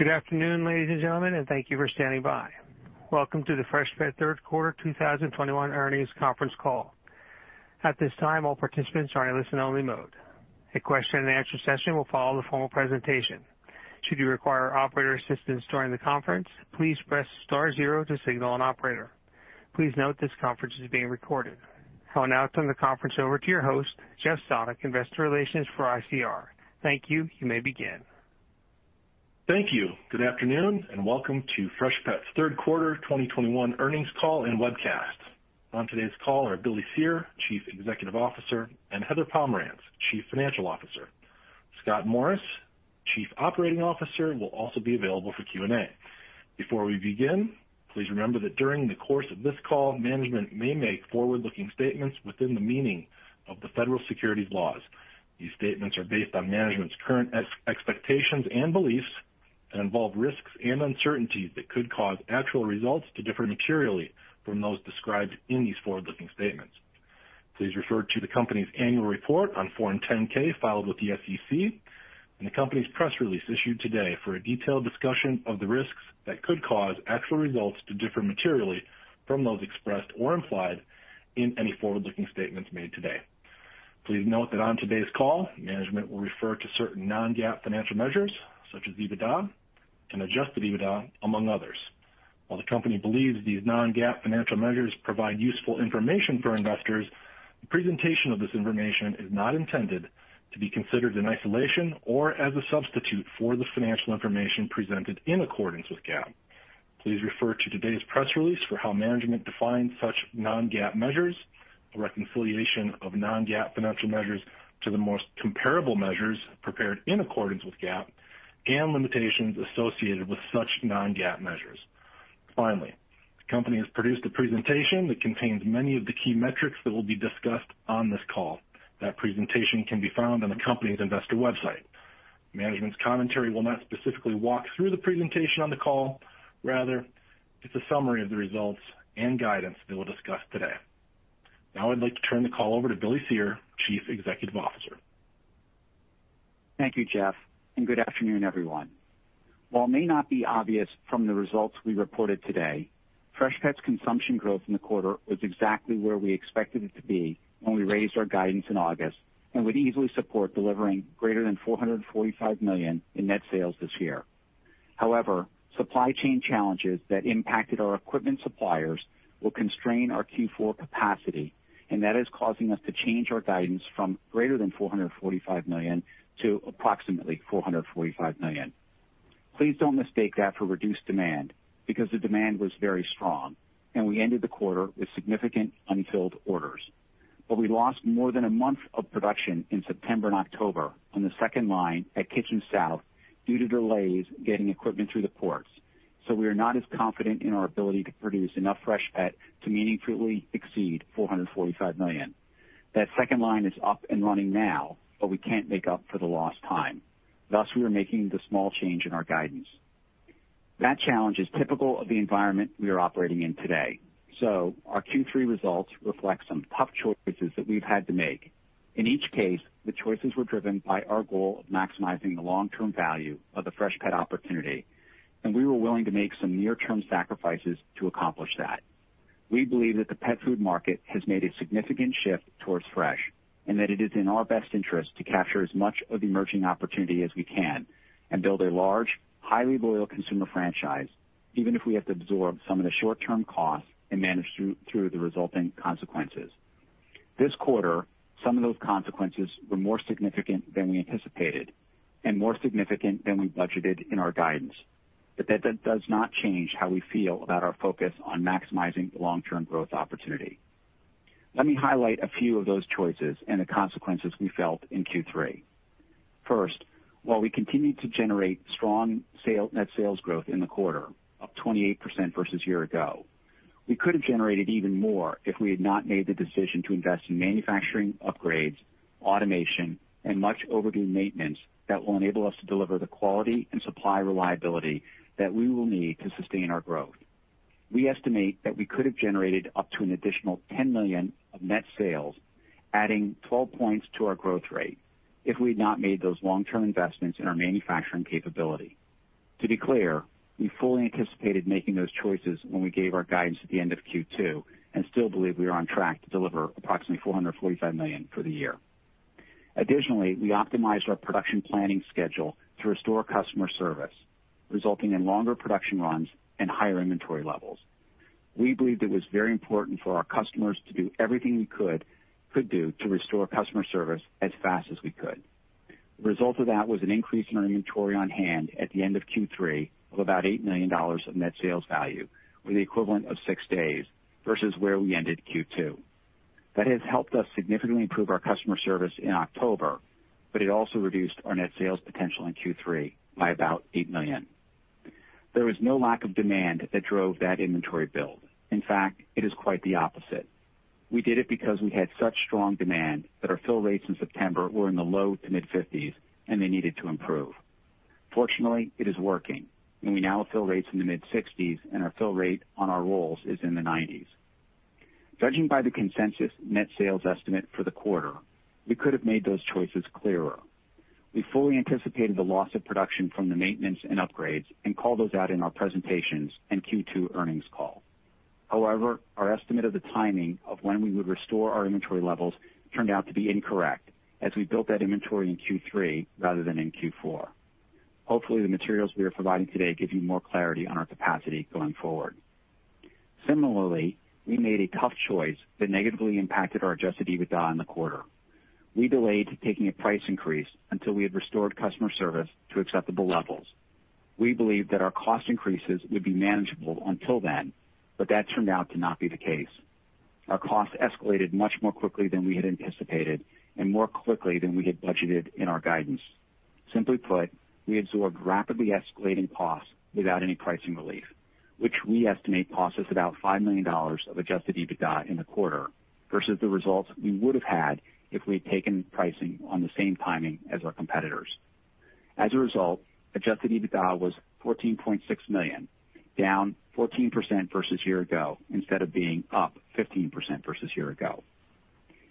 Good afternoon, ladies and gentlemen, and thank you for standing by. Welcome to the Freshpet third quarter 2021 earnings conference call. At this time, all participants are in listen-only mode. A question-and-answer session will follow the formal presentation. Should you require operator assistance during the conference, please Press Star zero to signal an operator. Please note this conference is being recorded. I'll now turn the conference over to your host, Jeff Sonnek, Investor Relations for ICR. Thank you. You may begin. Thank you. Good afternoon, and welcome to Freshpet's third quarter 2021 earnings call and webcast. On today's call are Billy Cyr, Chief Executive Officer, and Heather Pomerantz, Chief Financial Officer. Scott Morris, Chief Operating Officer, will also be available for Q&A. Before we begin, please remember that during the course of this call, management may make forward-looking statements within the meaning of the federal securities laws. These statements are based on management's current expectations and beliefs, and involve risks and uncertainties that could cause actual results to differ materially from those described in these forward-looking statements. Please refer to the company's annual report on Form 10-K filed with the SEC and the company's press release issued today for a detailed discussion of the risks that could cause actual results to differ materially from those expressed or implied in any forward-looking statements made today. Please note that on today's call, management will refer to certain non-GAAP financial measures such as EBITDA and adjusted EBITDA, among others. While the company believes these non-GAAP financial measures provide useful information for investors, the presentation of this information is not intended to be considered in isolation or as a substitute for the financial information presented in accordance with GAAP. Please refer to today's press release for how management defines such non-GAAP measures, a reconciliation of non-GAAP financial measures to the most comparable measures prepared in accordance with GAAP and limitations associated with such non-GAAP measures. Finally, the company has produced a presentation that contains many of the key metrics that will be discussed on this call. That presentation can be found on the company's investor website. Management's commentary will not specifically walk through the presentation on the call. Rather, it's a summary of the results and guidance that we'll discuss today. Now I'd like to turn the call over to Billy Cyr, Chief Executive Officer. Thank you, Jeff, and good afternoon, everyone. While it may not be obvious from the results we reported today, Freshpet's consumption growth in the quarter was exactly where we expected it to be when we raised our guidance in August and would easily support delivering greater than $445 million in net sales this year. However, supply chain challenges that impacted our equipment suppliers will constrain our Q4 capacity, and that is causing us to change our guidance from greater than $445 million to approximately $445 million. Please don't mistake that for reduced demand, because the demand was very strong, and we ended the quarter with significant unfilled orders. We lost more than a month of production in September and October on the second line at Kitchen South due to delays getting equipment through the ports, so we are not as confident in our ability to produce enough Freshpet to meaningfully exceed $445 million. That second line is up and running now, but we can't make up for the lost time. Thus, we are making the small change in our guidance. That challenge is typical of the environment we are operating in today. Our Q3 results reflect some tough choices that we've had to make. In each case, the choices were driven by our goal of maximizing the long-term value of the Freshpet opportunity, and we were willing to make some near-term sacrifices to accomplish that. We believe that the pet food market has made a significant shift towards fresh, and that it is in our best interest to capture as much of the emerging opportunity as we can and build a large, highly loyal consumer franchise, even if we have to absorb some of the short-term costs and manage through the resulting consequences. This quarter, some of those consequences were more significant than we anticipated and more significant than we budgeted in our guidance. That does not change how we feel about our focus on maximizing the long-term growth opportunity. Let me highlight a few of those choices and the consequences we felt in Q3. First, while we continued to generate strong net sales growth in the quarter of 28% versus year ago, we could have generated even more if we had not made the decision to invest in manufacturing upgrades, automation, and much overdue maintenance that will enable us to deliver the quality and supply reliability that we will need to sustain our growth. We estimate that we could have generated up to an additional $10 million of net sales, adding 12 points to our growth rate if we had not made those long-term investments in our manufacturing capability. To be clear, we fully anticipated making those choices when we gave our guidance at the end of Q2 and still believe we are on track to deliver approximately $445 million for the year. Additionally, we optimized our production planning schedule to restore customer service, resulting in longer production runs and higher inventory levels. We believed it was very important for our customers to do everything we could do to restore customer service as fast as we could. The result of that was an increase in our inventory on hand at the end of Q3 of about $8 million of net sales value, or the equivalent of six days versus where we ended Q2. That has helped us significantly improve our customer service in October, but it also reduced our net sales potential in Q3 by about $8 million. There was no lack of demand that drove that inventory build. In fact, it is quite the opposite. We did it because we had such strong demand that our fill rates in September were in the low-to-mid 50s%, and they needed to improve. Fortunately, it is working, and we now have fill rates in the mid-60s%, and our fill rate on our rolls is in the 90s%. Judging by the consensus net sales estimate for the quarter, we could have made those choices clearer. We fully anticipated the loss of production from the maintenance and upgrades and called those out in our presentations and Q2 earnings call. However, our estimate of the timing of when we would restore our inventory levels turned out to be incorrect as we built that inventory in Q3 rather than in Q4. Hopefully, the materials we are providing today give you more clarity on our capacity going forward. Similarly, we made a tough choice that negatively impacted our adjusted EBITDA in the quarter. We delayed taking a price increase until we had restored customer service to acceptable levels. We believe that our cost increases would be manageable until then, but that turned out to not be the case. Our costs escalated much more quickly than we had anticipated and more quickly than we had budgeted in our guidance. Simply put, we absorbed rapidly escalating costs without any pricing relief, which we estimate cost us about $5 million of adjusted EBITDA in the quarter versus the results we would have had if we had taken pricing on the same timing as our competitors. As a result, adjusted EBITDA was $14.6 million, down 14% versus year-ago, instead of being up 15% versus year-ago.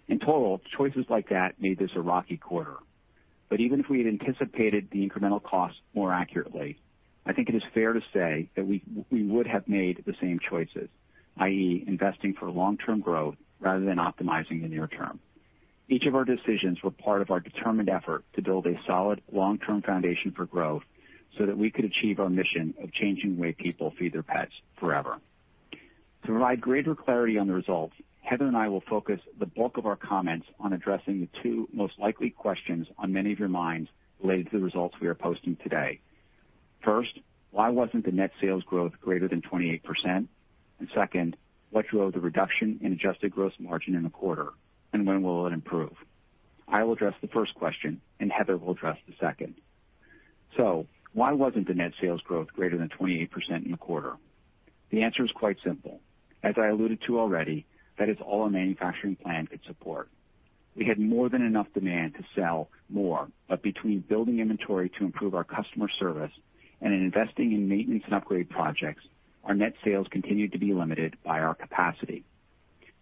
In total, choices like that made this a rocky quarter. Even if we had anticipated the incremental cost more accurately, I think it is fair to say that we would have made the same choices, i.e., investing for long-term growth rather than optimizing the near term. Each of our decisions were part of our determined effort to build a solid long-term foundation for growth so that we could achieve our mission of changing the way people feed their pets forever. To provide greater clarity on the results, Heather and I will focus the bulk of our comments on addressing the two most likely questions on many of your minds related to the results we are posting today. First, why wasn't the net sales growth greater than 28%? And second, what drove the reduction in adjusted gross margin in the quarter, and when will it improve? I will address the first question, and Heather will address the second. Why wasn't the net sales growth greater than 28% in the quarter? The answer is quite simple. As I alluded to already, that is all our manufacturing plan could support. We had more than enough demand to sell more, but between building inventory to improve our customer service and in investing in maintenance and upgrade projects, our net sales continued to be limited by our capacity.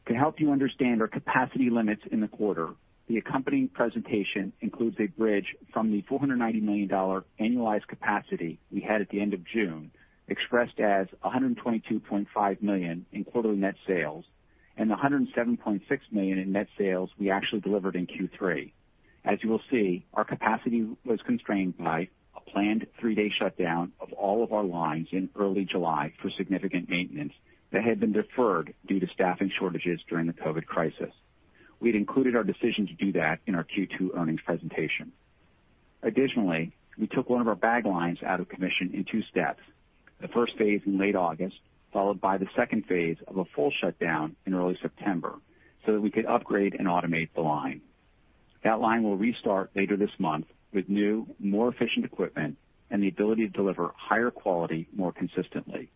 To help you understand our capacity limits in the quarter, the accompanying presentation includes a bridge from the $490 million annualized capacity we had at the end of June, expressed as $122.5 million in quarterly net sales and $107.6 million in net sales we actually delivered in Q3. As you will see, our capacity was constrained by a planned three day shutdown of all of our lines in early July for significant maintenance that had been deferred due to staffing shortages during the COVID crisis. We'd included our decision to do that in our Q2 earnings presentation. Additionally, we took one of our bag lines out of commission in two steps. The first phase in late August, followed by the second phase of a full shutdown in early September, so that we could upgrade and automate the line. That line will restart later this month with new, more efficient equipment and the ability to deliver higher quality more consistently.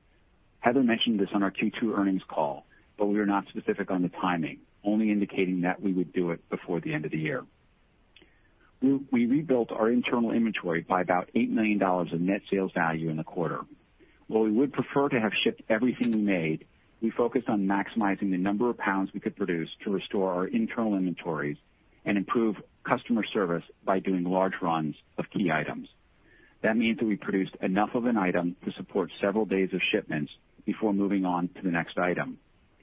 Heather mentioned this on our Q2 earnings call, but we were not specific on the timing, only indicating that we would do it before the end of the year. We rebuilt our internal inventory by about $8 million of net sales value in the quarter. While we would prefer to have shipped everything we made, we focused on maximizing the number of pounds we could produce to restore our internal inventories and improve customer service by doing large runs of key items. That means that we produced enough of an item to support several days of shipments before moving on to the next item,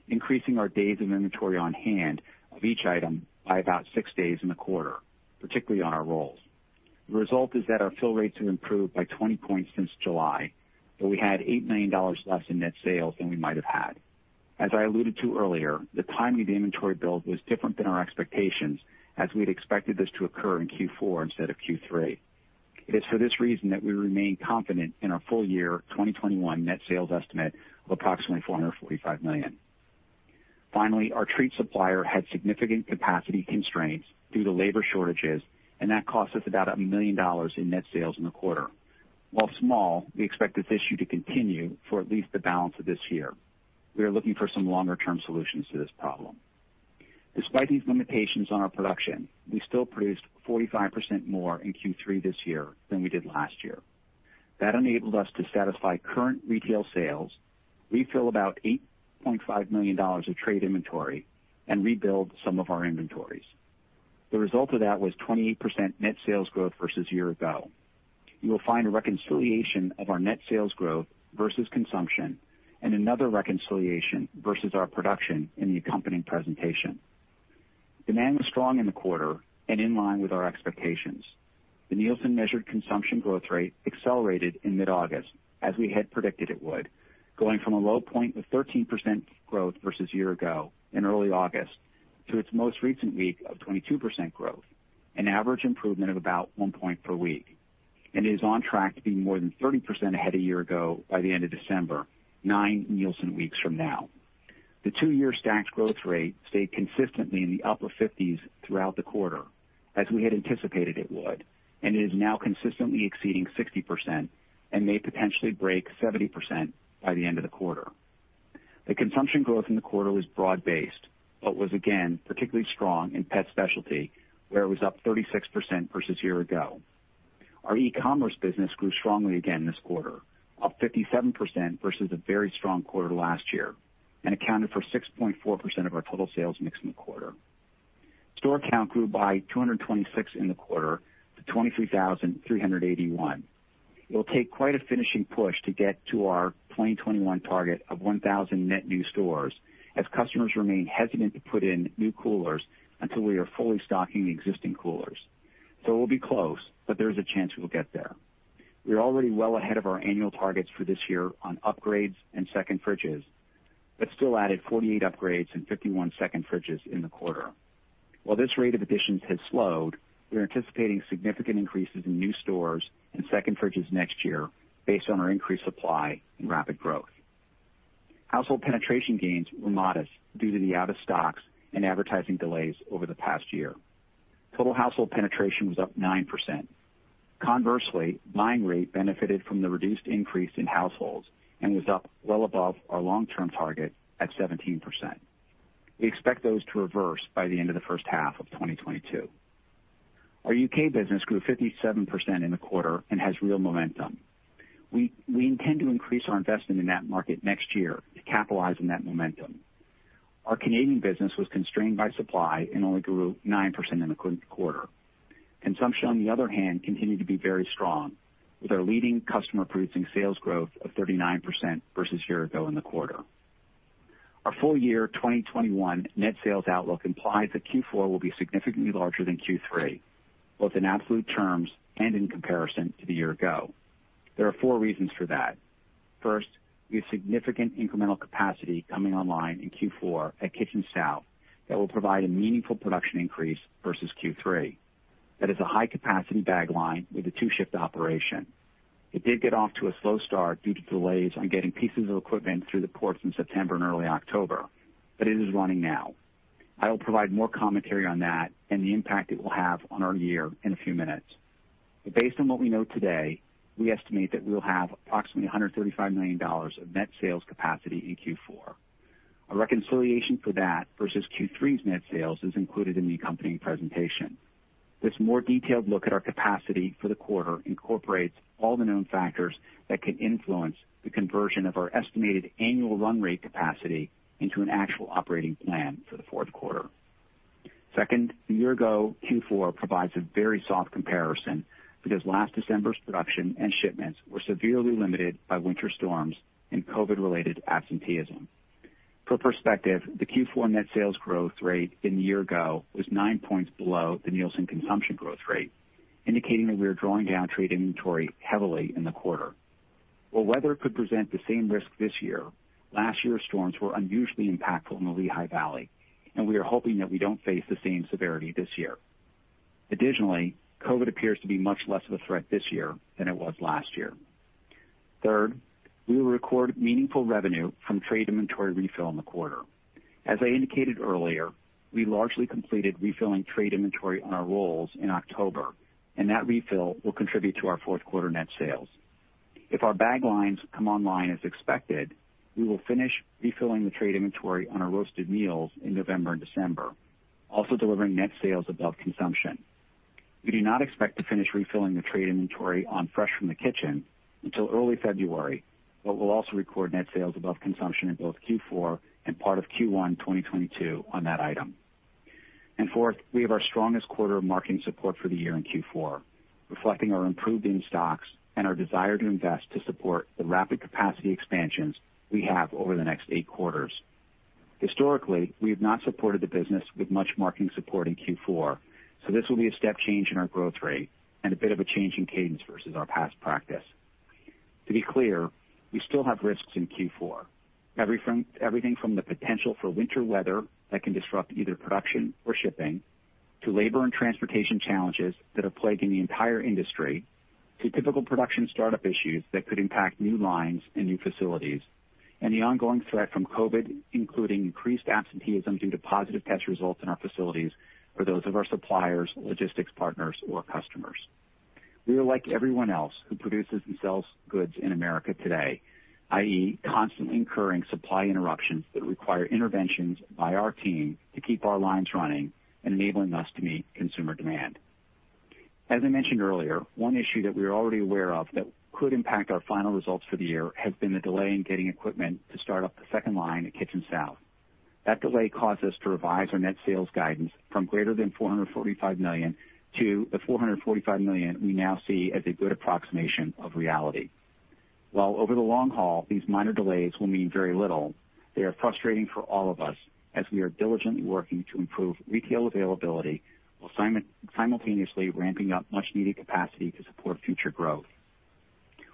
increasing our days of inventory on hand of each item by about six days in the quarter, particularly on our rolls. The result is that our fill rates have improved by 20 points since July, but we had $8 million less in net sales than we might have had. As I alluded to earlier, the timing of the inventory build was different than our expectations as we'd expected this to occur in Q4 instead of Q3. It is for this reason that we remain confident in our full year 2021 net sales estimate of approximately $445 million. Finally, our treat supplier had significant capacity constraints due to labor shortages, and that cost us about $1 million in net sales in the quarter. While small, we expect this issue to continue for at least the balance of this year. We are looking for some longer-term solutions to this problem. Despite these limitations on our production, we still produced 45% more in Q3 this year than we did last year. That enabled us to satisfy current retail sales, refill about $8.5 million of trade inventory, and rebuild some of our inventories. The result of that was 28% net sales growth versus year ago. You will find a reconciliation of our net sales growth versus consumption and another reconciliation versus our production in the accompanying presentation. Demand was strong in the quarter and in line with our expectations. The Nielsen measured consumption growth rate accelerated in mid-August, as we had predicted it would, going from a low point of 13% growth versus year ago in early August to its most recent week of 22% growth, an average improvement of about one point per week, and is on track to be more than 30% ahead a year ago by the end of December, nine Nielsen weeks from now. The two-year stacked growth rate stayed consistently in the upper fifties throughout the quarter, as we had anticipated it would, and is now consistently exceeding 60% and may potentially break 70% by the end of the quarter. The consumption growth in the quarter was broad-based, but was again particularly strong in pet specialty, where it was up 36% versus year ago. Our e-commerce business grew strongly again this quarter, up 57% versus a very strong quarter last year, and accounted for 6.4% of our total sales mix in the quarter. Store count grew by 226 in the quarter to 23,381. It will take quite a finishing push to get to our 2021 target of 1,000 net new stores as customers remain hesitant to put in new coolers until we are fully stocking existing coolers. We'll be close, but there's a chance we'll get there. We're already well ahead of our annual targets for this year on upgrades and second fridges, but still added 48 upgrades and 51 second fridges in the quarter. While this rate of additions has slowed, we are anticipating significant increases in new stores and second fridges next year based on our increased supply and rapid growth. Household penetration gains were modest due to the out of stocks and advertising delays over the past year. Total household penetration was up 9%. Conversely, buying rate benefited from the reduced increase in households and was up well above our long-term target at 17%. We expect those to reverse by the end of the first half of 2022. Our U.K. business grew 57% in the quarter and has real momentum. We intend to increase our investment in that market next year to capitalize on that momentum. Our Canadian business was constrained by supply and only grew 9% in the quarter. Consumption, on the other hand, continued to be very strong, with our leading customer producing sales growth of 39% versus a year ago in the quarter. Our full-year 2021 net sales outlook implies that Q4 will be significantly larger than Q3, both in absolute terms and in comparison to the year ago. There are four reasons for that. First, we have significant incremental capacity coming online in Q4 at Kitchens South that will provide a meaningful production increase versus Q3. That is a high-capacity bag line with a two-shift operation. It did get off to a slow start due to delays on getting pieces of equipment through the ports in September and early October, but it is running now. I will provide more commentary on that and the impact it will have on our year in a few minutes. Based on what we know today, we estimate that we will have approximately $135 million of net sales capacity in Q4. A reconciliation for that versus Q3's net sales is included in the accompanying presentation. This more detailed look at our capacity for the quarter incorporates all the known factors that can influence the conversion of our estimated annual run rate capacity into an actual operating plan for the fourth quarter. Second, the year ago Q4 provides a very soft comparison because last December's production and shipments were severely limited by winter storms and COVID-related absenteeism. For perspective, the Q4 net sales growth rate in the year-ago was nine points below the Nielsen consumption growth rate, indicating that we are drawing down trade inventory heavily in the quarter. While weather could present the same risk this year, last year's storms were unusually impactful in the Lehigh Valley, and we are hoping that we don't face the same severity this year. Additionally, COVID appears to be much less of a threat this year than it was last year. Third, we will record meaningful revenue from trade inventory refill in the quarter. As I indicated earlier, we largely completed refilling trade inventory on our rolls in October, and that refill will contribute to our fourth quarter net sales. If our bag lines come online as expected, we will finish refilling the trade inventory on our roasted meals in November and December, also delivering net sales above consumption. We do not expect to finish refilling the trade inventory on Fresh from the Kitchen until early February, but we'll also record net sales above consumption in both Q4 and part of Q1 2022 on that item. Fourth, we have our strongest quarter of marketing support for the year in Q4, reflecting our improved in-stocks and our desire to invest to support the rapid capacity expansions we have over the next eight quarters. Historically, we have not supported the business with much marketing support in Q4, so this will be a step change in our growth rate and a bit of a change in cadence versus our past practice. To be clear, we still have risks in Q4. Everything from the potential for winter weather that can disrupt either production or shipping to labor and transportation challenges that are plaguing the entire industry to typical production startup issues that could impact new lines and new facilities and the ongoing threat from COVID, including increased absenteeism due to positive test results in our facilities for those of our suppliers, logistics partners or customers. We are like everyone else who produces and sells goods in America today, i.e., constantly incurring supply interruptions that require interventions by our team to keep our lines running and enabling us to meet consumer demand. As I mentioned earlier, one issue that we are already aware of that could impact our final results for the year has been the delay in getting equipment to start up the second line at Kitchens South. That delay caused us to revise our net sales guidance from greater than $445 million to the $445 million we now see as a good approximation of reality. While over the long haul, these minor delays will mean very little, they are frustrating for all of us as we are diligently working to improve retail availability while simultaneously ramping up much-needed capacity to support future growth.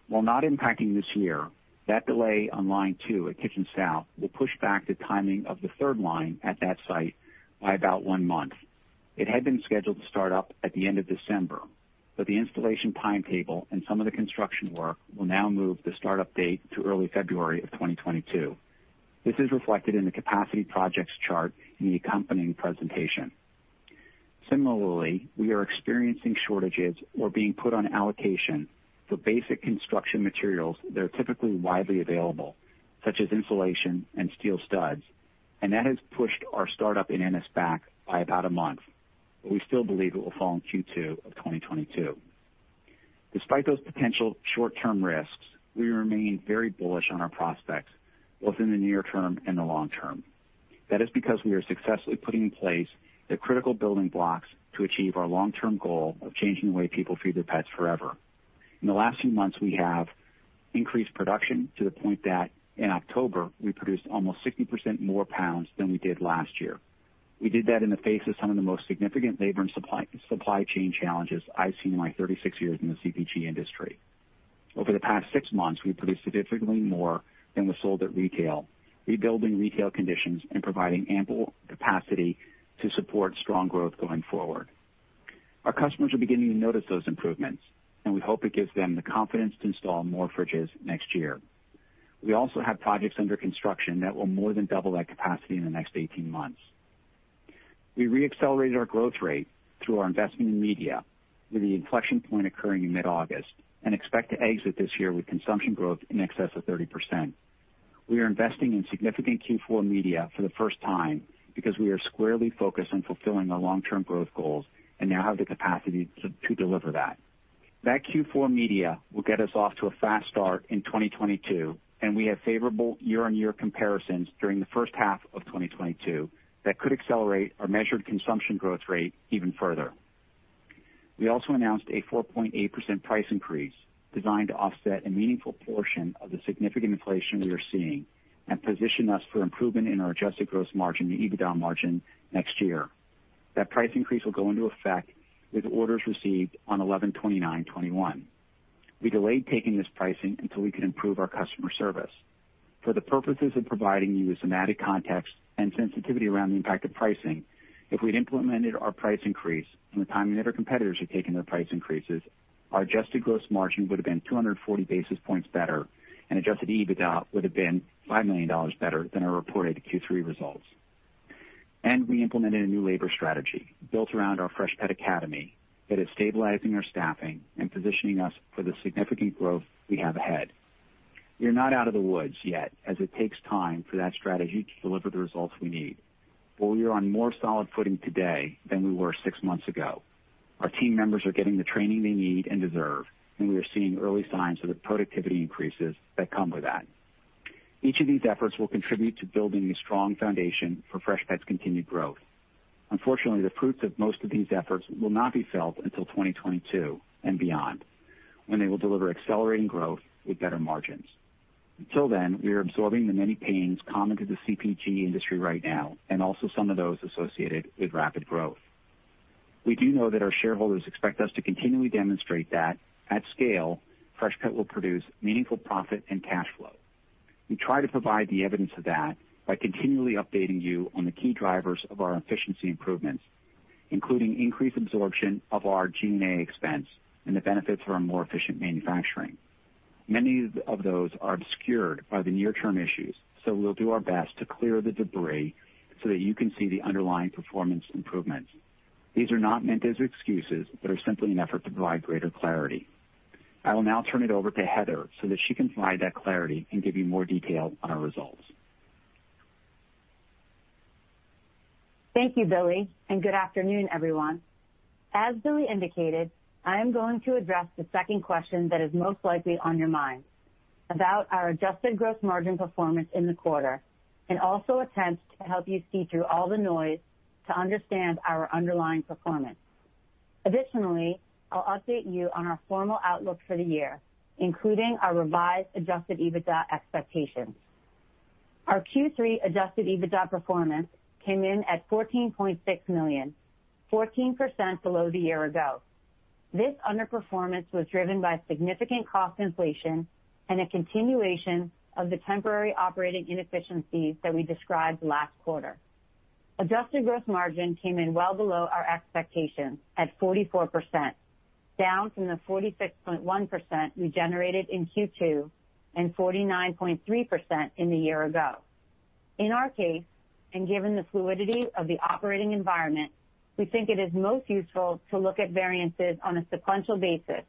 While not impacting this year, that delay on line two at Kitchens South will push back the timing of the third line at that site by about one month. It had been scheduled to start up at the end of December, but the installation timetable and some of the construction work will now move the start-up date to early February of 2022. This is reflected in the capacity projects chart in the accompanying presentation. Similarly, we are experiencing shortages or being put on allocation for basic construction materials that are typically widely available, such as insulation and steel studs. That has pushed our startup in Ennis back by about a month, but we still believe it will fall in Q2 of 2022. Despite those potential short-term risks, we remain very bullish on our prospects both in the near term and the long term. That is because we are successfully putting in place the critical building blocks to achieve our long-term goal of changing the way people feed their pets forever. In the last few months, we have increased production to the point that in October, we produced almost 60% more pounds than we did last year. We did that in the face of some of the most significant labor and supply chain challenges I've seen in my 36 years in the CPG industry. Over the past six months, we produced significantly more than was sold at retail, rebuilding retail conditions and providing ample capacity to support strong growth going forward. Our customers are beginning to notice those improvements, and we hope it gives them the confidence to install more fridges next year. We also have projects under construction that will more than double that capacity in the next 18 months. We re-accelerated our growth rate through our investment in media, with the inflection point occurring in mid-August, and expect to exit this year with consumption growth in excess of 30%. We are investing in significant Q4 media for the first time because we are squarely focused on fulfilling our long-term growth goals and now have the capacity to deliver that. That Q4 media will get us off to a fast start in 2022, and we have favorable year-on-year comparisons during the first half of 2022 that could accelerate our measured consumption growth rate even further. We also announced a 4.8% price increase designed to offset a meaningful portion of the significant inflation we are seeing and position us for improvement in our adjusted gross margin and EBITDA margin next year. That price increase will go into effect with orders received on29th November 2021. We delayed taking this pricing until we could improve our customer service. For the purposes of providing you with some added context and sensitivity around the impact of pricing, if we'd implemented our price increase from the time many of our competitors had taken their price increases, our adjusted gross margin would have been 240 basis points better, and adjusted EBITDA would have been $5 million better than our reported Q3 results. We implemented a new labor strategy built around our Freshpet Academy that is stabilizing our staffing and positioning us for the significant growth we have ahead. We are not out of the woods yet, as it takes time for that strategy to deliver the results we need, but we are on more solid footing today than we were six months ago. Our team members are getting the training they need and deserve, and we are seeing early signs of the productivity increases that come with that. Each of these efforts will contribute to building a strong foundation for Freshpet's continued growth. Unfortunately, the fruits of most of these efforts will not be felt until 2022 and beyond, when they will deliver accelerating growth with better margins. Until then, we are absorbing the many pains common to the CPG industry right now and also some of those associated with rapid growth. We do know that our shareholders expect us to continually demonstrate that at scale, Freshpet will produce meaningful profit and cash flow. We try to provide the evidence of that by continually updating you on the key drivers of our efficiency improvements, including increased absorption of our G&A expense and the benefits for a more efficient manufacturing. Many of those are obscured by the near-term issues, so we'll do our best to clear the debris so that you can see the underlying performance improvements. These are not meant as excuses, but are simply an effort to provide greater clarity. I will now turn it over to Heather so that she can provide that clarity and give you more detail on our results. Thank you, Billy, and good afternoon, everyone. As Billy indicated, I am going to address the second question that is most likely on your mind about our adjusted gross margin performance in the quarter and also attempt to help you see through all the noise to understand our underlying performance. I'll update you on our formal outlook for the year, including our revised adjusted EBITDA expectations. Our Q3 adjusted EBITDA performance came in at $14.6 million, 14% below the year ago. This underperformance was driven by significant cost inflation and a continuation of the temporary operating inefficiencies that we described last quarter. Adjusted gross margin came in well below our expectations at 44%, down from the 46.1% we generated in Q2 and 49.3% in the year ago. In our case, and given the fluidity of the operating environment, we think it is most useful to look at variances on a sequential basis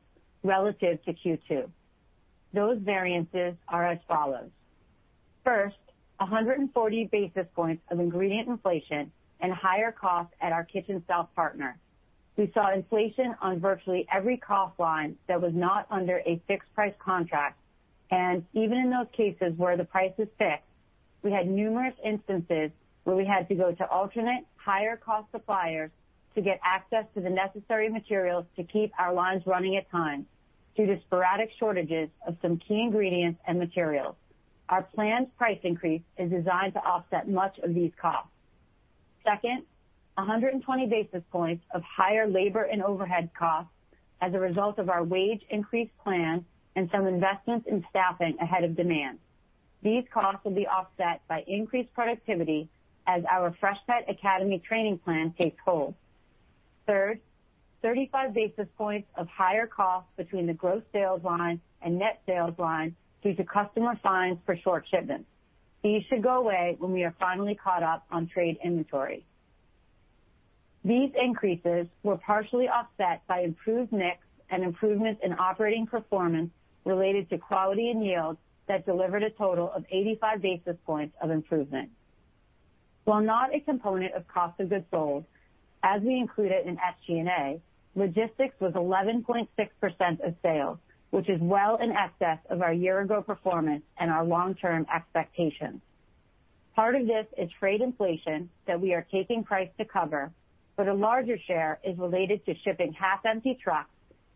relative to Q2. Those variances are as follows. First, 140 basis points of ingredient inflation and higher costs at our Kitchens South partner. We saw inflation on virtually every cost line that was not under a fixed price contract, and even in those cases where the price is fixed, we had numerous instances where we had to go to alternate higher cost suppliers to get access to the necessary materials to keep our lines running at times due to sporadic shortages of some key ingredients and materials. Our planned price increase is designed to offset much of these costs. Second, 120 basis points of higher labor and overhead costs as a result of our wage increase plan and some investments in staffing ahead of demand. These costs will be offset by increased productivity as our Freshpet Academy training plan takes hold. Third, 35 basis points of higher costs between the gross sales line and net sales line due to customer fines for short shipments. These should go away when we are finally caught up on trade inventory. These increases were partially offset by improved mix and improvements in operating performance related to quality and yield that delivered a total of 85 basis points of improvement. While not a component of cost of goods sold, as we include it in SG&A, logistics was 11.6% of sales, which is well in excess of our year-ago performance and our long-term expectations. Part of this is freight inflation that we are taking price to cover, but a larger share is related to shipping half-empty trucks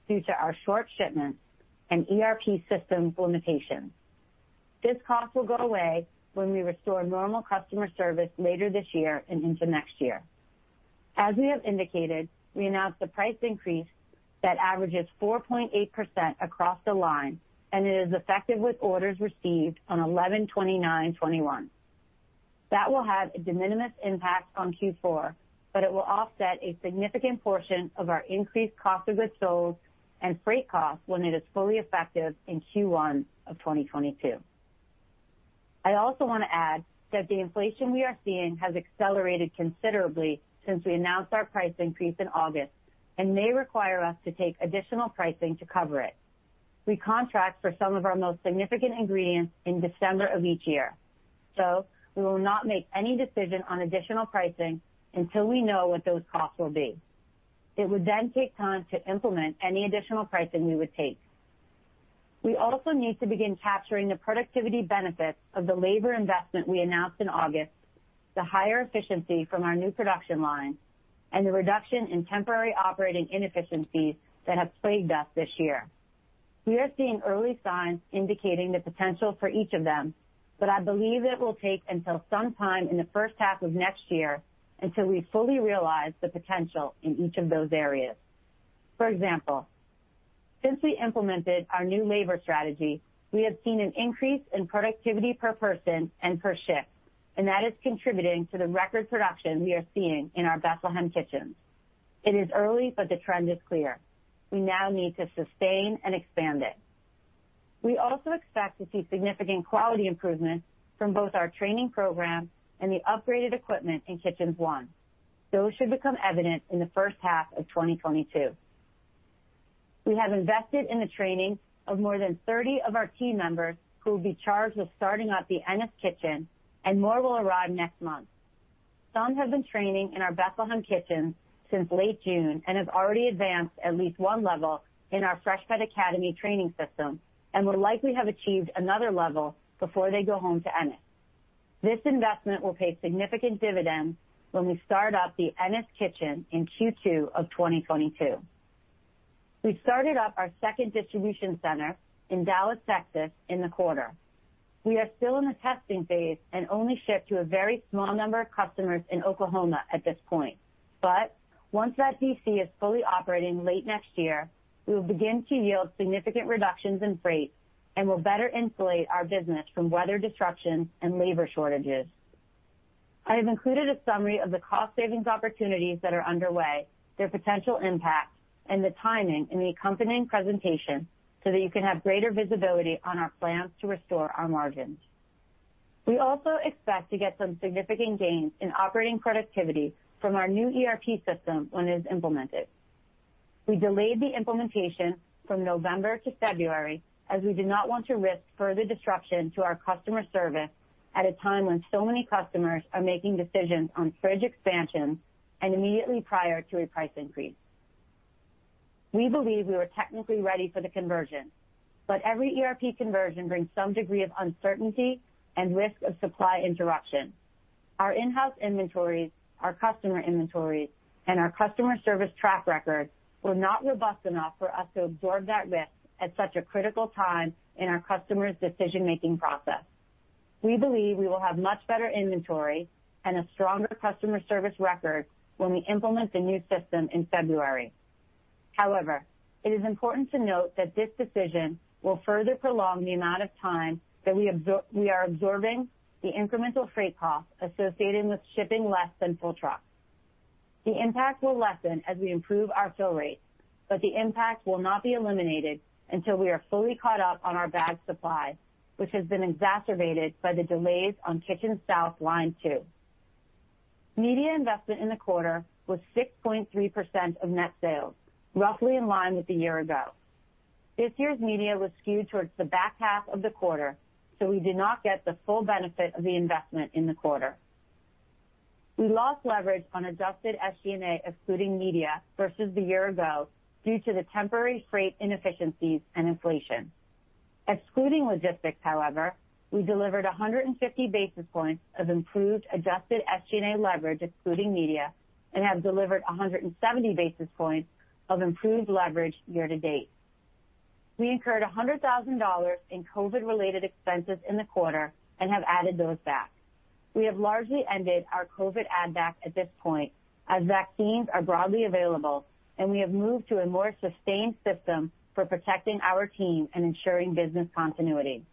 due to our short shipments and ERP systems limitations. This cost will go away when we restore normal customer service later this year and into next year. As we have indicated, we announced a price increase that averages 4.8% across the line, and it is effective with orders received on 29th November 2021.That will have a de minimis impact on Q4, but it will offset a significant portion of our increased cost of goods sold and freight costs when it is fully effective in Q1 of 2022. I also wanna add that the inflation we are seeing has accelerated considerably since we announced our price increase in August and may require us to take additional pricing to cover it. We contract for some of our most significant ingredients in December of each year, so we will not make any decision on additional pricing until we know what those costs will be. It would then take time to implement any additional pricing we would take. We also need to begin capturing the productivity benefits of the labor investment we announced in August, the higher efficiency from our new production line, and the reduction in temporary operating inefficiencies that have plagued us this year. We are seeing early signs indicating the potential for each of them, but I believe it will take until sometime in the first half of next year until we fully realize the potential in each of those areas. For example, since we implemented our new labor strategy, we have seen an increase in productivity per person and per shift, and that is contributing to the record production we are seeing in our Bethlehem Kitchen. It is early, but the trend is clear. We now need to sustain and expand it. We also expect to see significant quality improvements from both our training program and the upgraded equipment in Kitchens One. Those should become evident in the first half of 2022. We have invested in the training of more than 30 of our team members who will be charged with starting up the Ennis Kitchen, and more will arrive next month. Some have been training in our Bethlehem Kitchen since late June and have already advanced at least one level in our Freshpet Academy training system and will likely have achieved another level before they go home to Ennis. This investment will pay significant dividends when we start up the Ennis Kitchen in Q2 of 2022. We started up our second distribution center in Dallas, Texas, in the quarter. We are still in the testing phase and only ship to a very small number of customers in Oklahoma at this point. Once that DC is fully operating late next year, we will begin to yield significant reductions in freight and will better insulate our business from weather disruptions and labor shortages. I have included a summary of the cost savings opportunities that are underway, their potential impact, and the timing in the accompanying presentation so that you can have greater visibility on our plans to restore our margins. We also expect to get some significant gains in operating productivity from our new ERP system when it is implemented. We delayed the implementation from November to February, as we did not want to risk further disruption to our customer service at a time when so many customers are making decisions on fridge expansions and immediately prior to a price increase. We believe we were technically ready for the conversion, but every ERP conversion brings some degree of uncertainty and risk of supply interruption. Our in-house inventories, our customer inventories, and our customer service track record were not robust enough for us to absorb that risk at such a critical time in our customers' decision-making process. We believe we will have much better inventory and a stronger customer service record when we implement the new system in February. However, it is important to note that this decision will further prolong the amount of time that we are absorbing the incremental freight costs associated with shipping less than full trucks. The impact will lessen as we improve our fill rates, but the impact will not be eliminated until we are fully caught up on our bag supply, which has been exacerbated by the delays on Kitchens South line two. Media investment in the quarter was 6.3% of net sales, roughly in line with a year ago. This year's media was skewed towards the back half of the quarter, so we did not get the full benefit of the investment in the quarter. We lost leverage on adjusted SG&A, excluding media, versus the year ago due to the temporary freight inefficiencies and inflation. Excluding logistics, however, we delivered 150 basis points of improved adjusted SG&A leverage, excluding media, and have delivered 170 basis points of improved leverage year to date. We incurred $100,000 in COVID-related expenses in the quarter and have added those back. We have largely ended our COVID add-back at this point, as vaccines are broadly available, and we have moved to a more sustained system for protecting our team and ensuring business continuity.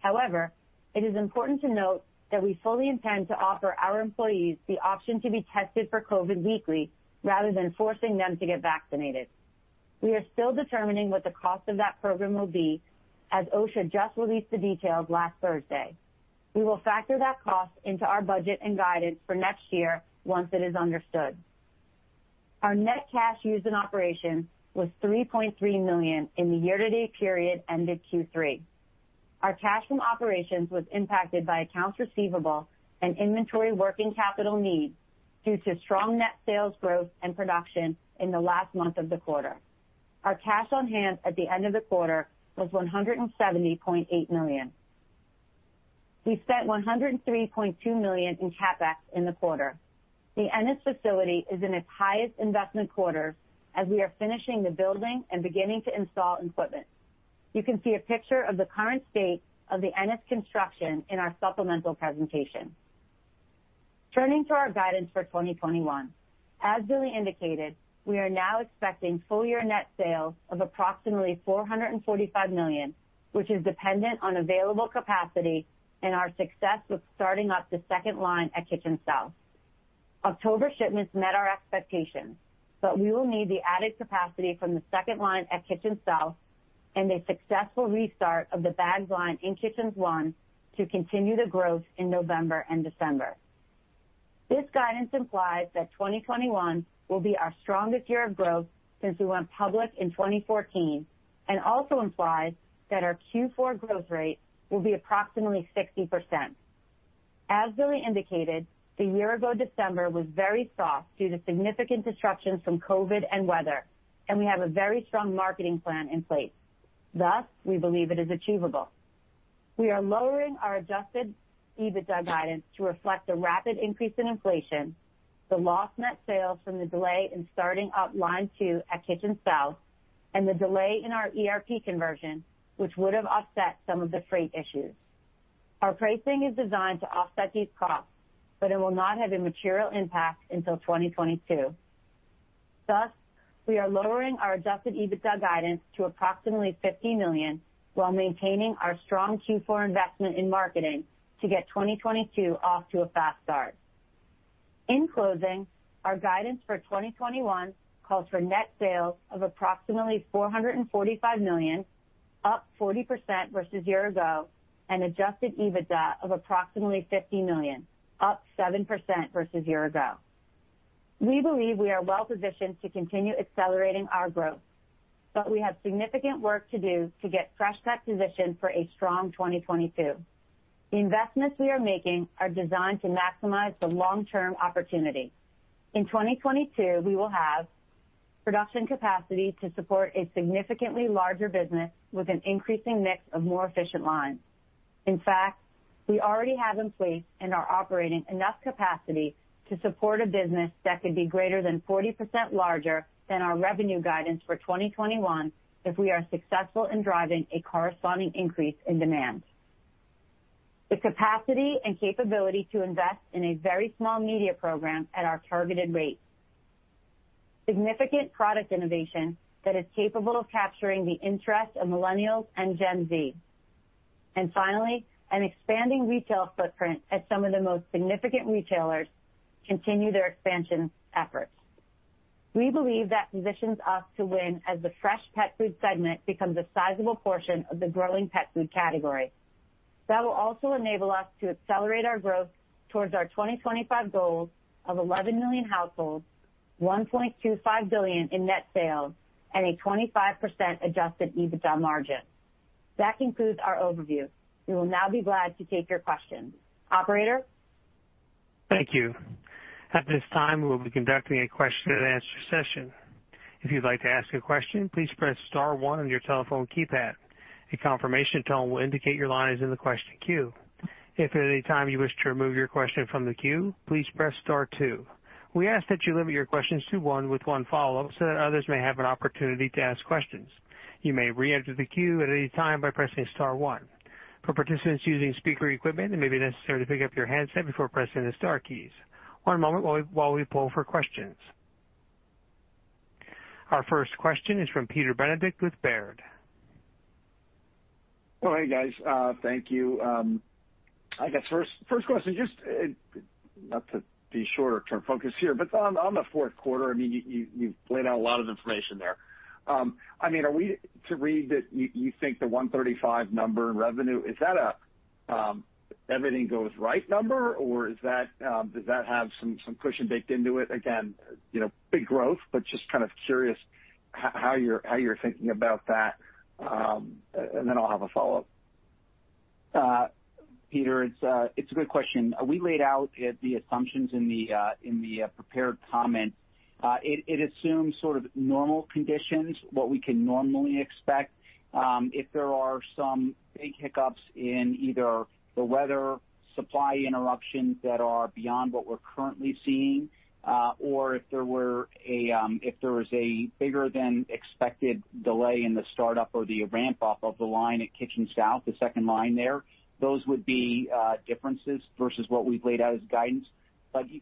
However, it is important to note that we fully intend to offer our employees the option to be tested for COVID weekly rather than forcing them to get vaccinated. We are still determining what the cost of that program will be as OSHA just released the details last Thursday. We will factor that cost into our budget and guidance for next year once it is understood. Our net cash used in operations was $3.3 million in the year-to-date period ended Q3. Our cash from operations was impacted by accounts receivable and inventory working capital needs due to strong net sales growth and production in the last month of the quarter. Our cash on hand at the end of the quarter was $170.8 million. We spent $103.2 million in CapEx in the quarter. The Ennis facility is in its highest investment quarter as we are finishing the building and beginning to install equipment. You can see a picture of the current state of the Ennis construction in our supplemental presentation. Turning to our guidance for 2021. As Billy indicated, we are now expecting full year net sales of approximately $445 million, which is dependent on available capacity and our success with starting up the second line at Kitchens South. October shipments met our expectations, but we will need the added capacity from the second line at Kitchens South and the successful restart of the bagged line in Kitchens One to continue the growth in November and December. This guidance implies that 2021 will be our strongest year of growth since we went public in 2014 and also implies that our Q4 growth rate will be approximately 60%. As Billy indicated, the year-ago December was very soft due to significant disruptions from COVID and weather, and we have a very strong marketing plan in place. Thus, we believe it is achievable. We are lowering our adjusted EBITDA guidance to reflect the rapid increase in inflation, the lost net sales from the delay in starting up line two at Kitchen South, and the delay in our ERP conversion, which would have offset some of the freight issues. Our pricing is designed to offset these costs, but it will not have a material impact until 2022. Thus, we are lowering our adjusted EBITDA guidance to approximately $50 million while maintaining our strong Q4 investment in marketing to get 2022 off to a fast start. In closing, our guidance for 2021 calls for net sales of approximately $445 million, up 40% versus year ago, and adjusted EBITDA of approximately $50 million, up 7% versus year ago. We believe we are well positioned to continue accelerating our growth, but we have significant work to do to get Freshpet positioned for a strong 2022. The investments we are making are designed to maximize the long-term opportunity. In 2022, we will have production capacity to support a significantly larger business with an increasing mix of more efficient lines. In fact, we already have in place and are operating enough capacity to support a business that could be greater than 40% larger than our revenue guidance for 2021 if we are successful in driving a corresponding increase in demand. The capacity and capability to invest in a very small media program at our targeted rate. Significant product innovation that is capable of capturing the interest of millennials and Gen Z. Finally, an expanding retail footprint as some of the most significant retailers continue their expansion efforts. We believe that positions us to win as the fresh pet food segment becomes a sizable portion of the growing pet food category. That will also enable us to accelerate our growth towards our 2025 goals of 11 million households, $1.25 billion in net sales, and a 25% adjusted EBITDA margin. That concludes our overview. We will now be glad to take your questions. Operator? Thank you. At this time, we will be conducting a question-and-answer session. If you'd like to ask a question, please press star one on your telephone keypad. A confirmation tone will indicate your line is in the question queue. If at any time you wish to remove your question from the queue, please press star two. We ask that you limit your questions to one with one follow-up so that others may have an opportunity to ask questions. You may re-enter the queue at any time by pressing star one. For participants using speaker equipment, it may be necessary to pick up your handset before pressing the star keys. One moment while we poll for questions. Our first question is from Peter Benedict with Baird. Oh, hey, guys. Thank you. I guess first question, just not to be short-term focused here, but on the fourth quarter, I mean, you've laid out a lot of information there. I mean, are we to read that you think the $135 number in revenue is that a everything goes right number or is that does that have some cushion baked into it? Again, you know, big growth, but just kind of curious how you're thinking about that. And then I'll have a follow-up. Peter, it's a good question. We laid out the assumptions in the prepared comment. It assumes sort of normal conditions, what we can normally expect. If there are some big hiccups in either the weather, supply interruptions that are beyond what we're currently seeing, or if there was a bigger than expected delay in the startup or the ramp up of the line at Kitchens South, the second line there, those would be differences versus what we've laid out as guidance.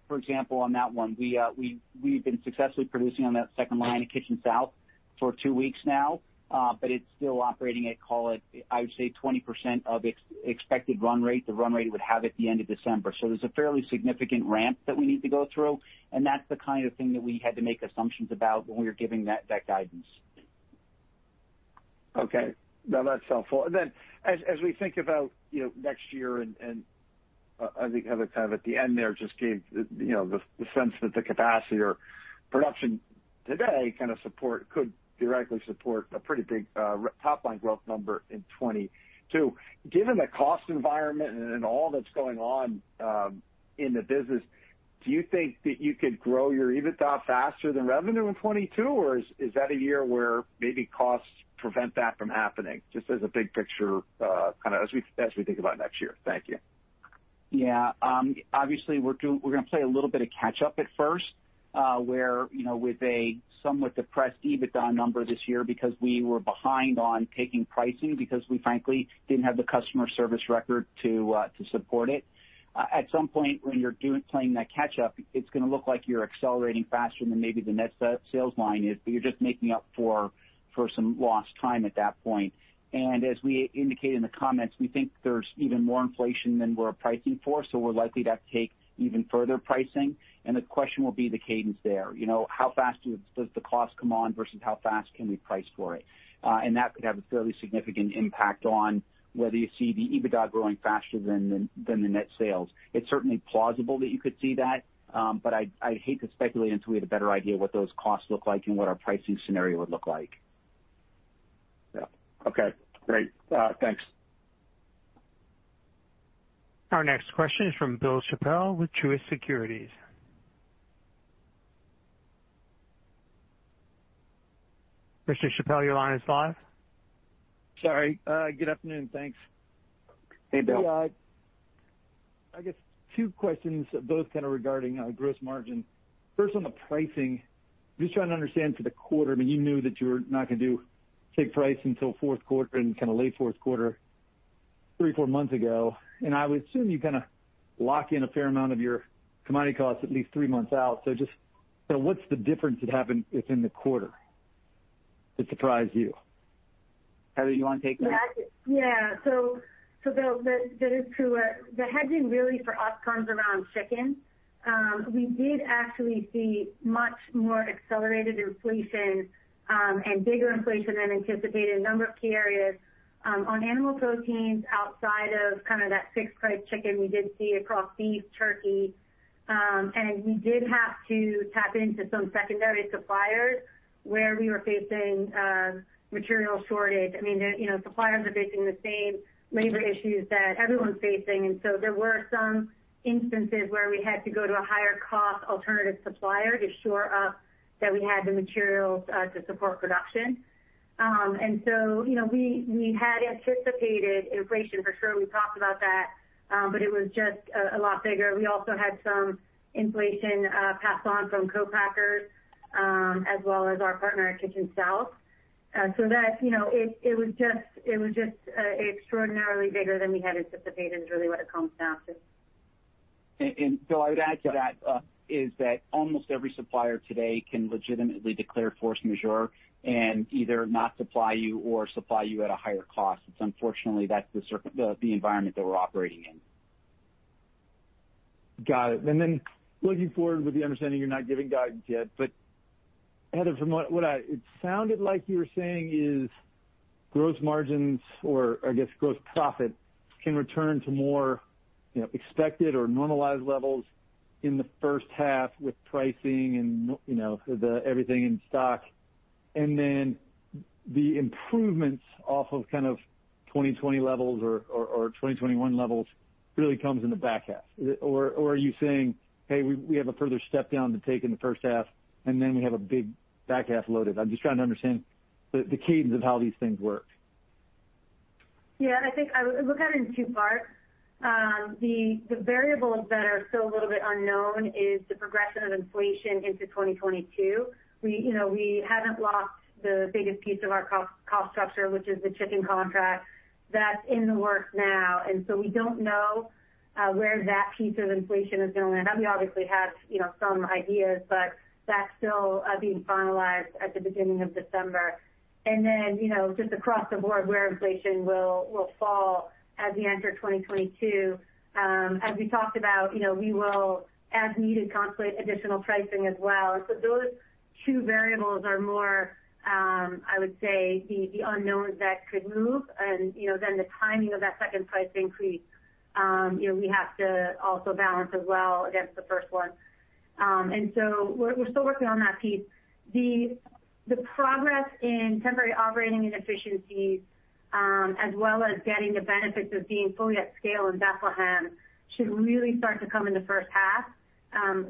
For example, on that one, we've been successfully producing on that second line at Kitchens South for two weeks now, but it's still operating at, call it, I would say, 20% of expected run rate, the run rate it would have at the end of December. There's a fairly significant ramp that we need to go through, and that's the kind of thing that we had to make assumptions about when we were giving that guidance. Okay. No, that's helpful. As we think about, you know, next year and I think kind of at the end there just gave, you know, the sense that the capacity or production today kind of support could directly support a pretty big top line growth number in 2022. Given the cost environment and all that's going on in the business, do you think that you could grow your EBITDA faster than revenue in 2022, or is that a year where maybe costs prevent that from happening? Just as a big picture, kind of as we think about next year. Thank you. Yeah. Obviously we're gonna play a little bit of catch up at first, where, you know, with a somewhat depressed EBITDA number this year because we were behind on taking pricing because we frankly didn't have the customer service record to support it. At some point when you're playing that catch up, it's gonna look like you're accelerating faster than maybe the net sales line is, but you're just making up for some lost time at that point. As we indicated in the comments, we think there's even more inflation than we're pricing for. We're likely to have to take even further pricing, and the question will be the cadence there. You know, how fast does the cost come on versus how fast can we price for it? That could have a fairly significant impact on whether you see the EBITDA growing faster than the net sales. It's certainly plausible that you could see that, but I hate to speculate until we have a better idea what those costs look like and what our pricing scenario would look like. Yeah. Okay, great. Thanks. Our next question is from Bill Chappell with Truist Securities. Mr. Chappell, your line is live. Sorry. Good afternoon. Thanks. Hey, Bill. Yeah. I guess two questions, both kind of regarding gross margin. First, on the pricing, I'm just trying to understand for the quarter. I mean, you knew that you were not gonna do take price until fourth quarter and kinda late fourth quarter, three, four months ago. I would assume you kinda lock in a fair amount of your commodity costs at least three months out. What's the difference that happened within the quarter to surprise you? Heather, you wanna take that? Yeah. Bill, that is true. The hedging really for us comes around chicken. We did actually see much more accelerated inflation and bigger inflation than anticipated in a number of key areas. On animal proteins outside of kind of that fixed price chicken, we did see across beef, turkey, and we did have to tap into some secondary suppliers where we were facing material shortage. I mean, you know, suppliers are facing the same labor issues that everyone's facing, and so there were some instances where we had to go to a higher cost alternative supplier to shore up that we had the materials to support production. You know, we had anticipated inflation for sure. We've talked about that, but it was just a lot bigger. We also had some inflation passed on from co-packers, as well as our partner at Kitchens South. That, you know, it was just extraordinarily bigger than we had anticipated is really what it comes down to. Bill, I would add to that is that almost every supplier today can legitimately declare force majeure and either not supply you or supply you at a higher cost. It's unfortunately that's the environment that we're operating in. Got it. Then looking forward with the understanding you're not giving guidance yet. Heather, from what it sounded like you were saying is gross margins or I guess gross profit can return to more, you know, expected or normalized levels in the first half with pricing and, you know, the everything in stock. Then the improvements off of kind of 2020 levels or 2021 levels really comes in the back half. Are you saying, "Hey, we have a further step down to take in the first half, and then we have a big back half loaded"? I'm just trying to understand the cadence of how these things work. Yeah. I think I would look at it in two parts. The variables that are still a little bit unknown is the progression of inflation into 2022. We, you know, we haven't locked the biggest piece of our cost structure, which is the chicken contract. That's in the works now. We don't know where that piece of inflation is going to land. I mean, obviously we have, you know, some ideas, but that's still being finalized at the beginning of December. You know, just across the board where inflation will fall as we enter 2022. As we talked about, you know, we will as needed contemplate additional pricing as well. Those two variables are more, I would say, the unknowns that could move and, you know, then the timing of that second price increase, you know, we have to also balance as well against the first one. We're still working on that piece. The progress in temporary operating inefficiencies, as well as getting the benefits of being fully at scale in Bethlehem should really start to come in the first half.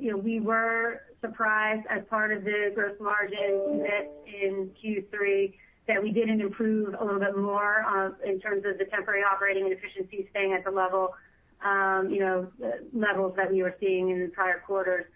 You know, we were surprised as part of the gross margin miss in Q3 that we didn't improve a little bit more, in terms of the temporary operating inefficiencies staying at the level, you know, levels that we were seeing in the prior quarters.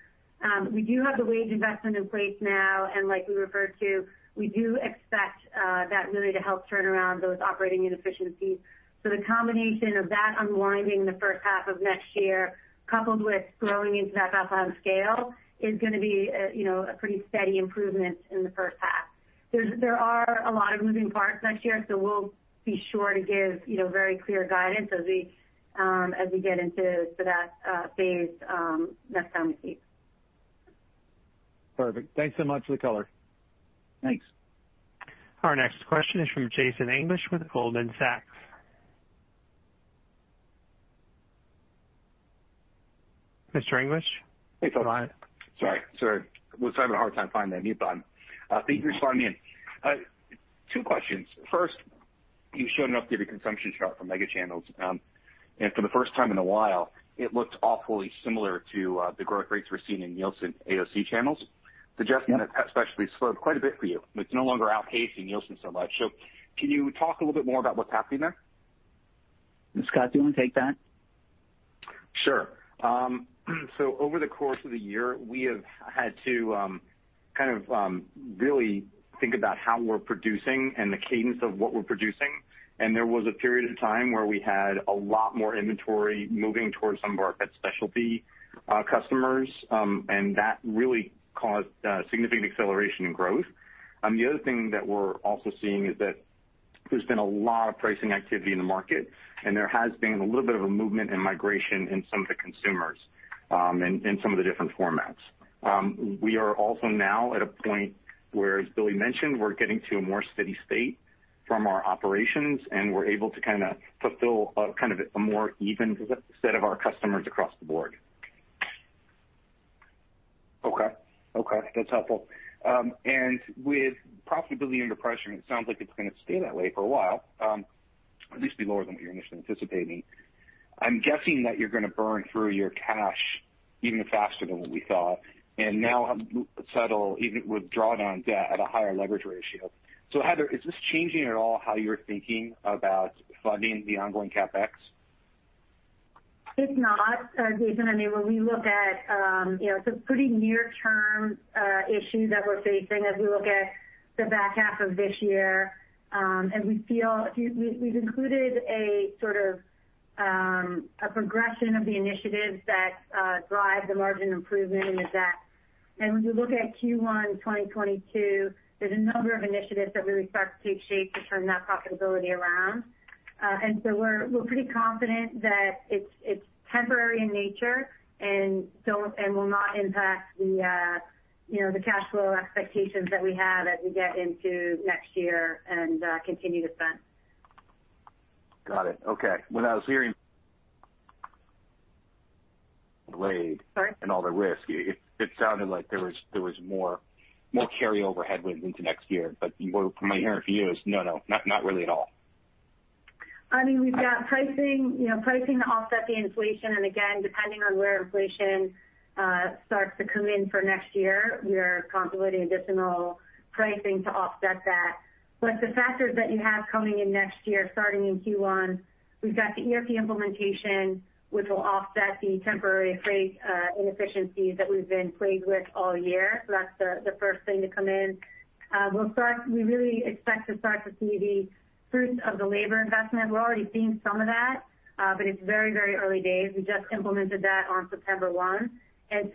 We do have the wage investment in place now, and like we referred to, we do expect that really to help turn around those operating inefficiencies. So the combination of that unwinding in the first half of next year, coupled with growing into that up on scale, is gonna be a you know a pretty steady improvement in the first half. There are a lot of moving parts next year, so we'll be sure to give you know very clear guidance as we get into that phase next time we see you. Perfect. Thanks so much for the color. Thanks. Our next question is from Jason English with Goldman Sachs. Mr. English? Hey, Todd. Sorry. Was having a hard time finding that mute button. Thanks for letting me in. Two questions. First, you showed an updated consumption chart for mega channels, and for the first time in a while it looked awfully similar to the growth rates we're seeing in Nielsen AOC channels. Suggesting that pet specialty slowed quite a bit for you. It's no longer outpacing Nielsen so much. Can you talk a little bit more about what's happening there? Scott, do you wanna take that? Sure. So over the course of the year, we have had to, kind of, really think about how we're producing and the cadence of what we're producing. There was a period of time where we had a lot more inventory moving towards some of our pet specialty customers. That really caused significant acceleration in growth. The other thing that we're also seeing is that there's been a lot of pricing activity in the market, and there has been a little bit of a movement and migration in some of the consumers, in some of the different formats. We are also now at a point where, as Billy mentioned, we're getting to a more steady state from our operations, and we're able to kinda fulfill a kind of a more even set of our customers across the board. Okay. Okay, that's helpful. With profitability under pressure, and it sounds like it's gonna stay that way for a while, at least be lower than what you're initially anticipating. I'm guessing that you're gonna burn through your cash even faster than what we thought and now have to settle, even draw down debt at a higher leverage ratio. Heather, is this changing at all how you're thinking about funding the ongoing CapEx? It's not, Jason. I mean, when we look at, you know, some pretty near-term issues that we're facing as we look at the back half of this year, and we feel. We've included a sort of a progression of the initiatives that drive the margin improvement in the deck. When we look at Q1 2022, there's a number of initiatives that really start to take shape to turn that profitability around. We're pretty confident that it's temporary in nature and will not impact, you know, the cash flow expectations that we have as we get into next year and continue to spend. Got it. Okay. Sorry. all the risk, it sounded like there was more carryover headwinds into next year. What I'm hearing from you is, "No, not really at all. I mean, we've got pricing, you know, pricing to offset the inflation. Again, depending on where inflation starts to come in for next year, we are contemplating additional pricing to offset that. The factors that you have coming in next year, starting in Q1, we've got the ERP implementation, which will offset the temporary freight inefficiencies that we've been plagued with all year. That's the first thing to come in. We really expect to start to see the fruits of the labor investment. We're already seeing some of that, but it's very, very early days. We just implemented that on 1st September.As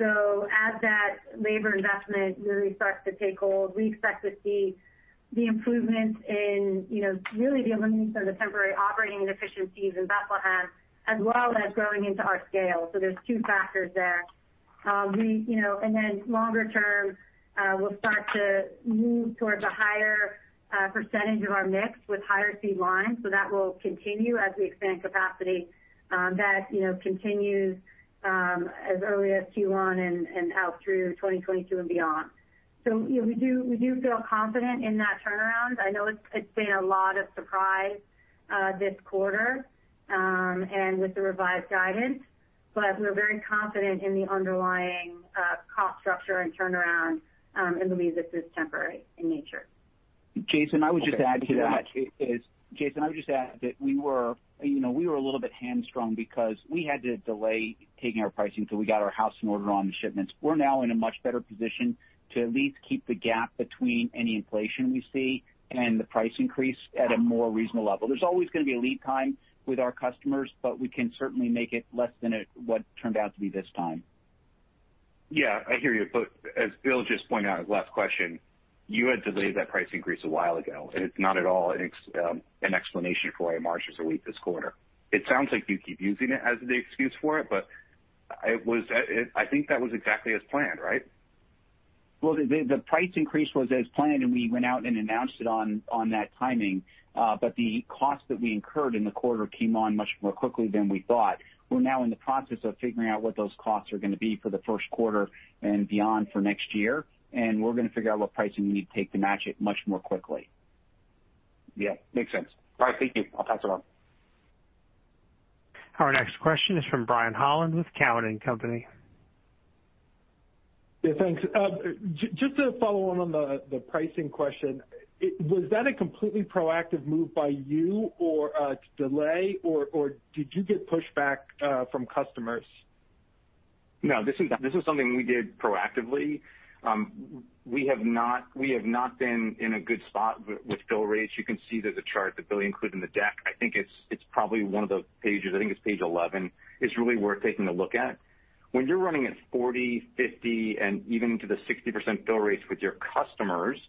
that labor investment really starts to take hold, we expect to see the improvements in, you know, really the elimination of the temporary operating inefficiencies in Bethlehem as well as growing into our scale. There are two factors there. Longer term, we'll start to move towards a higher percentage of our mix with higher- speed lines. That will continue as we expand capacity as early as Q1 and out through 2022 and beyond. We do feel confident in that turnaround. I know it's been a lot of surprise this quarter and with the revised guidance, but we're very confident in the underlying cost structure and turnaround and believe this is temporary in nature. Jason, I would just add to that. Okay. Thank you very much. Jason, I would just add that we were, you know, we were a little bit hamstrung because we had to delay taking our pricing till we got our house in order on the shipments. We're now in a much better position to at least keep the gap between any inflation we see and the price increase at a more reasonable level. There's always gonna be a lead time with our customers, but we can certainly make it less than what turned out to be this time. Yeah, I hear you. As Bill just pointed out, his last question, you had delayed that price increase a while ago, and it's not at all an explanation for why margins are weak this quarter. It sounds like you keep using it as the excuse for it, but I think that was exactly as planned, right? Well, the price increase was as planned, and we went out and announced it on that timing. The cost that we incurred in the quarter came on much more quickly than we thought. We're now in the process of figuring out what those costs are gonna be for the first quarter and beyond for next year, and we're gonna figure out what pricing we need to take to match it much more quickly. Yeah, makes sense. All right, thank you. I'll pass it on. Our next question is from Brian Holland with Cowen and Company. Yeah, thanks. Just to follow on the pricing question. Was that a completely proactive move by you or did you get pushback from customers? No, this is something we did proactively. We have not been in a good spot with fill rates. You can see that the chart that Billy included in the deck. I think it's probably one of the pages. I think it's page 11. It's really worth taking a look at. When you're running at 40%, 50%, and even to the 60% fill rates with your customers,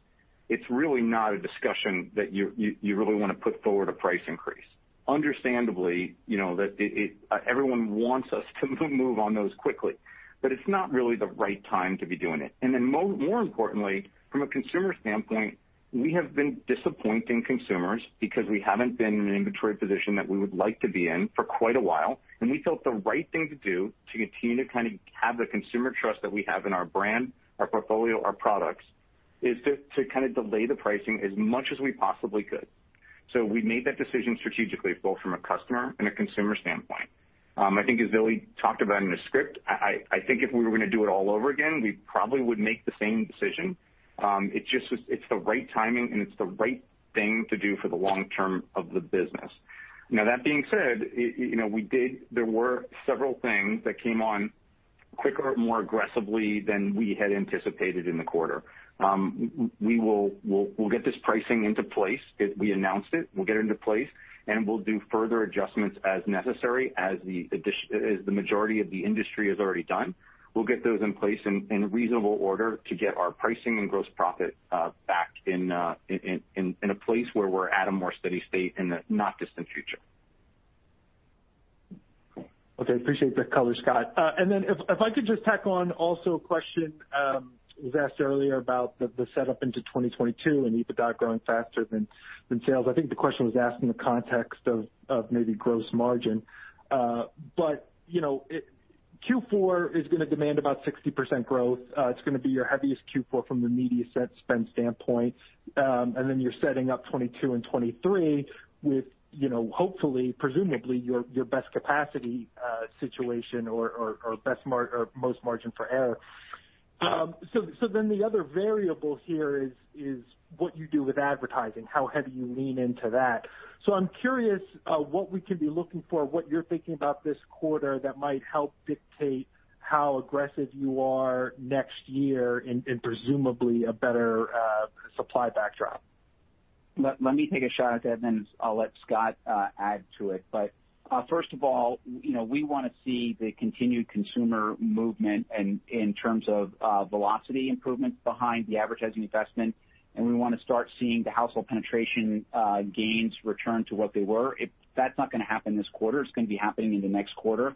it's really not a discussion that you really wanna put forward a price increase. Understandably, you know, that everyone wants us to move on those quickly, but it's not really the right time to be doing it. More importantly, from a consumer standpoint, we have been disappointing consumers because we haven't been in an inventory position that we would like to be in for quite a while, and we felt the right thing to do to continue to kind of have the consumer trust that we have in our brand, our portfolio, our products, is to kind of delay the pricing as much as we possibly could. We made that decision strategically, both from a customer and a consumer standpoint. I think as Billy talked about in the script, I think if we were gonna do it all over again, we probably would make the same decision. It's the right timing, and it's the right thing to do for the long term of the business. Now, that being said, you know, there were several things that came on quicker, more aggressively than we had anticipated in the quarter. We will get this pricing into place. We announced it. We'll get it into place, and we'll do further adjustments as necessary as the majority of the industry has already done. We'll get those in place in reasonable order to get our pricing and gross profit back in a place where we're at a more steady state in the not distant future. Okay. Appreciate the color, Scott. If I could just tack on also a question was asked earlier about the setup into 2022 and EBITDA growing faster than sales. I think the question was asked in the context of maybe gross margin. You know, Q4 is gonna demand about 60% growth. It's gonna be your heaviest Q4 from the media ad spend standpoint. You're setting up 2022 and 2023 with, you know, hopefully, presumably, your best capacity situation or most margin for error. The other variable here is what you do with advertising, how heavy you lean into that. I'm curious what we can be looking for, what you're thinking about this quarter that might help dictate how aggressive you are next year in presumably a better supply backdrop. Let me take a shot at that, and then I'll let Scott add to it. First of all, you know, we wanna see the continued consumer movement in terms of velocity improvement behind the advertising investment, and we wanna start seeing the household penetration gains return to what they were. If that's not gonna happen this quarter, it's gonna be happening in the next quarter.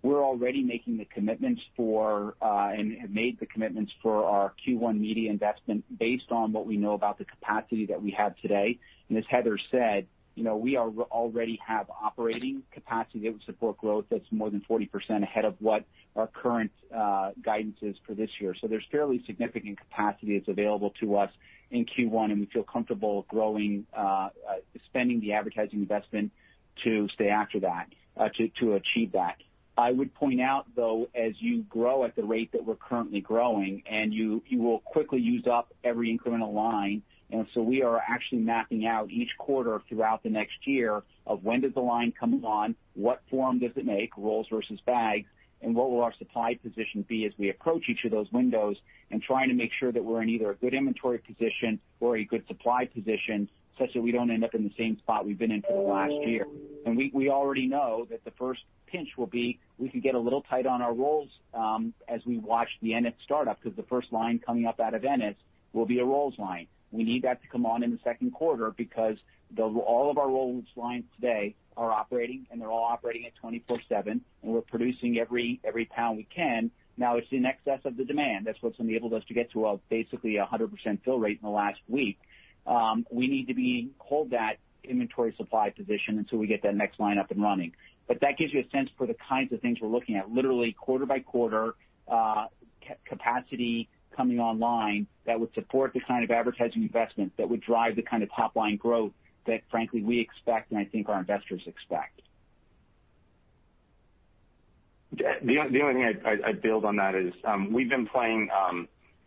We're already making the commitments for and have made the commitments for our Q1 media investment based on what we know about the capacity that we have today. As Heather said, you know, we already have operating capacity that would support growth that's more than 40% ahead of what our current guidance is for this year. There's fairly significant capacity that's available to us in Q1, and we feel comfortable growing, spending the advertising investment to achieve that. I would point out, though, as you grow at the rate that we're currently growing, you will quickly use up every incremental line. We are actually mapping out each quarter throughout the next year of when does the line come on, what form does it make, rolls versus bags, and what will our supply position be as we approach each of those windows and trying to make sure that we're in either a good inventory position or a good supply position such that we don't end up in the same spot we've been in for the last year. We already know that the first pinch will be we could get a little tight on our rolls, as we watch the Ennis startup because the first line coming up out of Ennis will be a rolls line. We need that to come on in the second quarter because all of our rolls lines today are operating, and they're all operating at 24/7, and we're producing every pound we can. Now it's in excess of the demand. That's what's enabled us to get to basically a 100% fill rate in the last week. We need to hold that inventory supply position until we get that next line up and running. that gives you a sense for the kinds of things we're looking at literally quarter by quarter, capacity coming online that would support the kind of advertising investment that would drive the kind of top-line growth that frankly we expect and I think our investors expect. The only thing I'd build on that is, we've been playing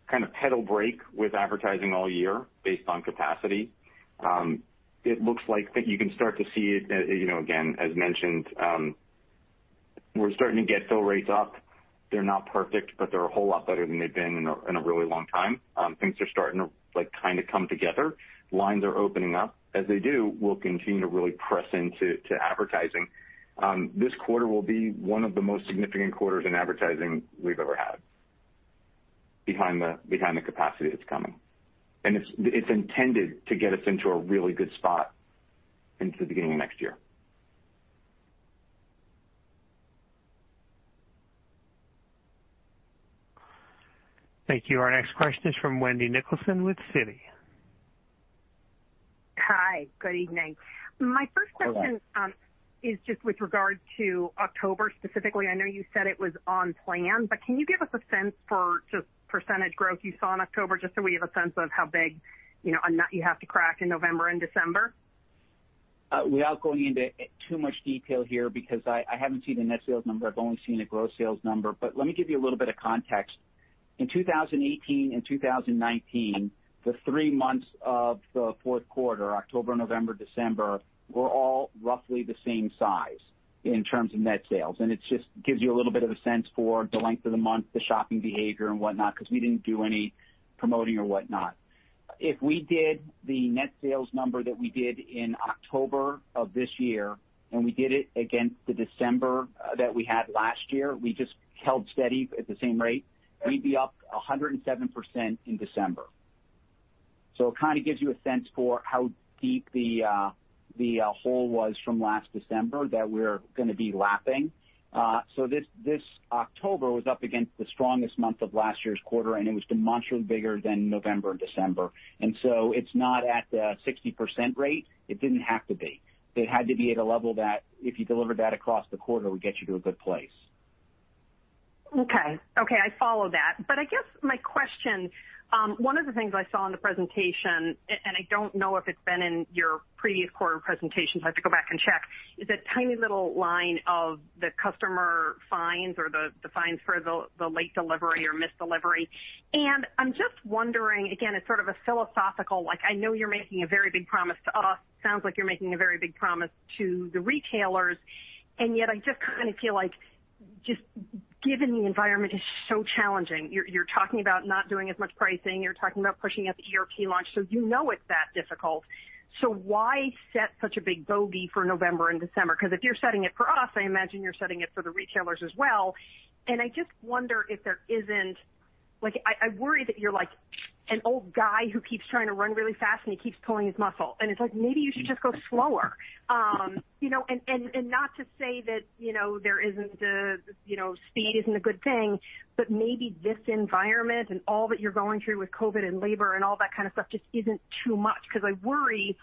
kind of brake pedal with advertising all year based on capacity. It looks like you can start to see it, you know, again, as mentioned, we're starting to get fill rates up. They're not perfect, but they're a whole lot better than they've been in a really long time. Things are starting to, like, kind of come together. Lines are opening up. As they do, we'll continue to really press into advertising. This quarter will be one of the most significant quarters in advertising we've ever had behind the capacity that's coming. It's intended to get us into a really good spot into the beginning of next year. Thank you. Our next question is from Wendy Nicholson with Citi. Hi. Good evening. Hello. My first question is just with regard to October specifically. I know you said it was on plan, but can you give us a sense for just percentage growth you saw in October, just so we have a sense of how big, you know, a nut you have to crack in November and December? Without going into too much detail here because I haven't seen a net sales number, I've only seen a gross sales number, but let me give you a little bit of context. In 2018 and 2019, the three months of the fourth quarter, October, November, December, were all roughly the same size in terms of net sales. It just gives you a little bit of a sense for the length of the month, the shopping behavior and whatnot, because we didn't do any promoting or whatnot. If we did the net sales number that we did in October of this year, and we did it against the December that we had last year, we just held steady at the same rate, we'd be up 107% in December. So it kind of gives you a sense for how deep the hole was from last December that we're gonna be lapping. This October was up against the strongest month of last year's quarter, and it was demonstrably bigger than November and December. It's not at the 60% rate. It didn't have to be. It had to be at a level that if you delivered that across the quarter, it would get you to a good place. Okay. Okay, I follow that. I guess my question, one of the things I saw in the presentation, and I don't know if it's been in your pre-quarter presentations, I have to go back and check, is a tiny little line of the customer fines or the fines for the late delivery or missed delivery. I'm just wondering, again, it's sort of a philosophical, like I know you're making a very big promise to us. Sounds like you're making a very big promise to the retailers, and yet I just kind of feel like just given the environment is so challenging, you're talking about not doing as much pricing. You're talking about pushing out the ERP launch, you know it's that difficult. Why set such a big bogey for November and December? 'Cause if you're setting it for us, I imagine you're setting it for the retailers as well. I just wonder if there isn't. Like I worry that you're like an old guy who keeps trying to run really fast, and he keeps pulling his muscle. It's like, maybe you should just go slower. You know, and not to say that, you know, there isn't a, you know, speed isn't a good thing, but maybe this environment and all that you're going through with COVID and labor and all that kind of stuff just isn't too much. 'Cause I worry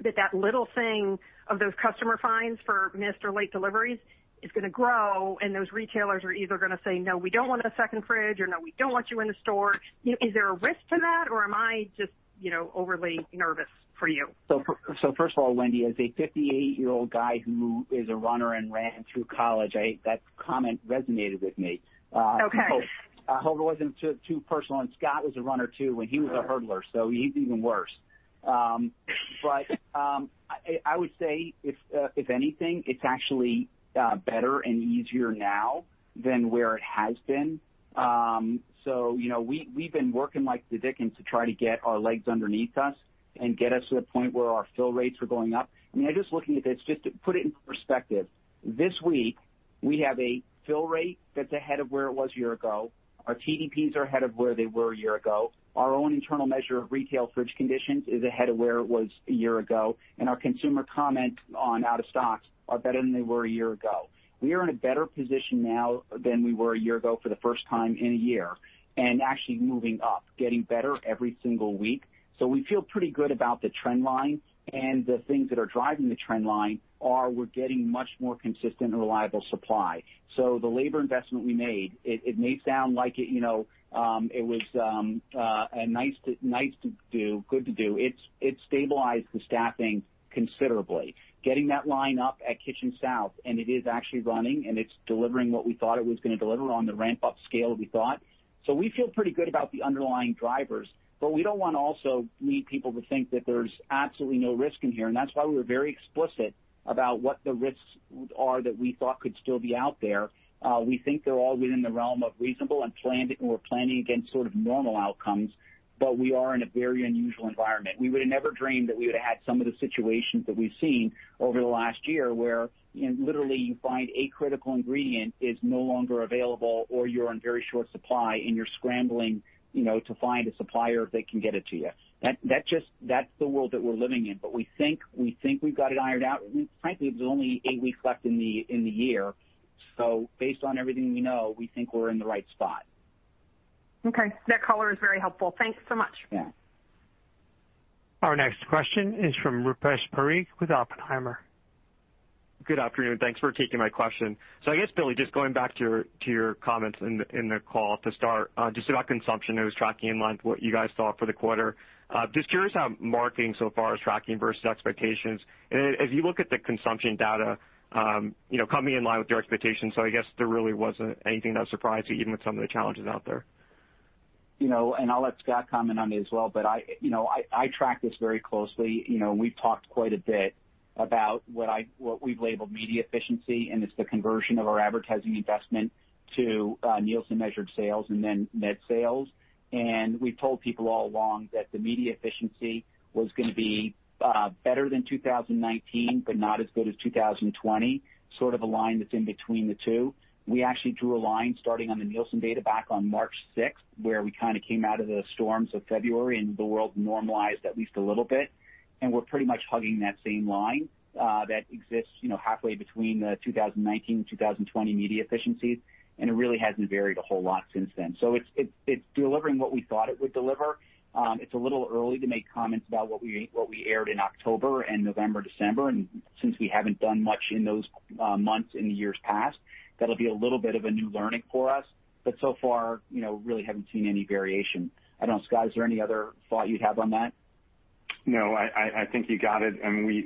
that that little thing of those customer fines for missed or late deliveries is gonna grow, and those retailers are either gonna say, "No, we don't want a second fridge," or, "No, we don't want you in the store." You know, is there a risk to that, or am I just, you know, overly nervous for you? First of all, Wendy, as a 58-year-old guy who is a runner and ran through college. That comment resonated with me. Okay. I hope it wasn't too personal. Scott was a runner too, and he was a hurdler, so he's even worse. I would say if anything, it's actually better and easier now than where it has been. You know, we've been working like the dickens to try to get our legs underneath us and get us to the point where our fill rates are going up. I mean, I'm just looking at this just to put it in perspective. This week we have a fill rate that's ahead of where it was a year ago. Our TDPs are ahead of where they were a year ago. Our own internal measure of retail fridge conditions is ahead of where it was a year ago, and our consumer comment on out of stocks are better than they were a year ago. We are in a better position now than we were a year ago for the first time in a year, and actually moving up, getting better every single week. We feel pretty good about the trend line and the things that are driving the trend line are we're getting much more consistent and reliable supply. The labor investment we made, it may sound like it, you know, it was a nice-to-do, good-to-do. It stabilized the staffing considerably, getting that line up at Kitchens South, and it is actually running, and it's delivering what we thought it was gonna deliver on the ramp-up scale we thought. We feel pretty good about the underlying drivers, but we don't wanna also lead people to think that there's absolutely no risk in here, and that's why we were very explicit about what the risks are that we thought could still be out there. We think they're all within the realm of reasonable and planned, and we're planning against sort of normal outcomes, but we are in a very unusual environment. We would have never dreamed that we would've had some of the situations that we've seen over the last year where, you know, literally you find a critical ingredient is no longer available or you're on very short supply and you're scrambling, you know, to find a supplier that can get it to you. That just. That's the world that we're living in. We think we've got it ironed out. Frankly, there's only 8 weeks left in the year. Based on everything we know, we think we're in the right spot. Okay. That color is very helpful. Thanks so much. Yeah. Our next question is from Rupesh Parikh with Oppenheimer. Good afternoon. Thanks for taking my question. I guess, Billy, just going back to your comments in the call to start, just about consumption. It was tracking in line with what you guys thought for the quarter. Just curious how marketing so far is tracking versus expectations. As you look at the consumption data, you know, coming in line with your expectations. I guess there really wasn't anything that surprised you, even with some of the challenges out there. You know, I'll let Scott comment on it as well, but I track this very closely. You know, we've talked quite a bit about what we've labeled media efficiency, and it's the conversion of our advertising investment to Nielsen-measured sales and then net sales. We've told people all along that the media efficiency was gonna be better than 2019, but not as good as 2020, sort of a line that's in between the two. We actually drew a line starting on the Nielsen data back on March sixth, where we kinda came out of the storms of February and the world normalized at least a little bit. We're pretty much hugging that same line that exists, you know, halfway between the 2019 and 2020 media efficiencies, and it really hasn't varied a whole lot since then. It's delivering what we thought it would deliver. It's a little early to make comments about what we aired in October and November, December. Since we haven't done much in those months in years past, that'll be a little bit of a new learning for us. So far, you know, really haven't seen any variation. I don't know, Scott, is there any other thought you'd have on that? No, I think you got it.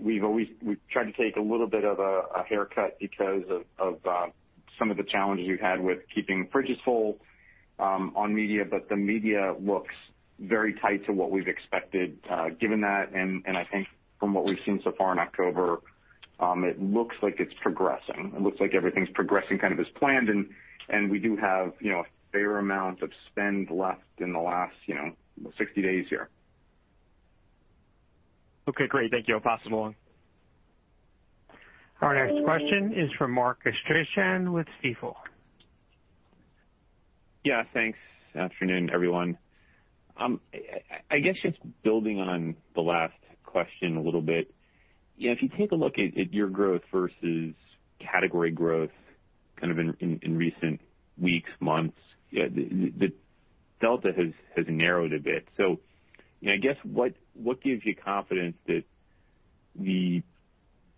We've always tried to take a little bit of a haircut because of some of the challenges we've had with keeping fridges full on media. The media looks very tight to what we've expected, given that. I think from what we've seen so far in October, it looks like it's progressing. It looks like everything's progressing kind of as planned. We do have you know a fair amount of spend left in the last you know 60 days here. Okay, great. Thank you. I'll pass it along. Our next question is from Mark Astrachan with Stifel. Yeah, thanks. Afternoon, everyone. I guess just building on the last question a little bit. If you take a look at your growth versus category growth kind of in recent weeks, months, the delta has narrowed a bit. I guess, what gives you confidence that the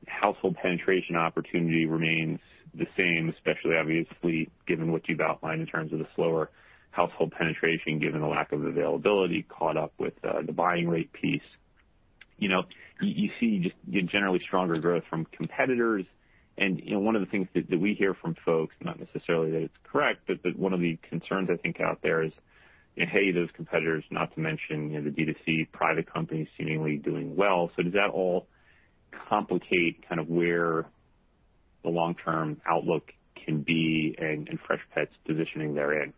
household penetration opportunity remains the same, especially obviously, given what you've outlined in terms of the slower household penetration, given the lack of availability caught up with, the buying rate piece? You know, you see just generally stronger growth from competitors and, you know, one of the things that we hear from folks, not necessarily that it's correct, but that one of the concerns I think out there is, you know, hey, those competitors not to mention, you know, the D2C private companies seemingly doing well. Does that all complicate kind of where the long-term outlook can be and Freshpet's positioning therein?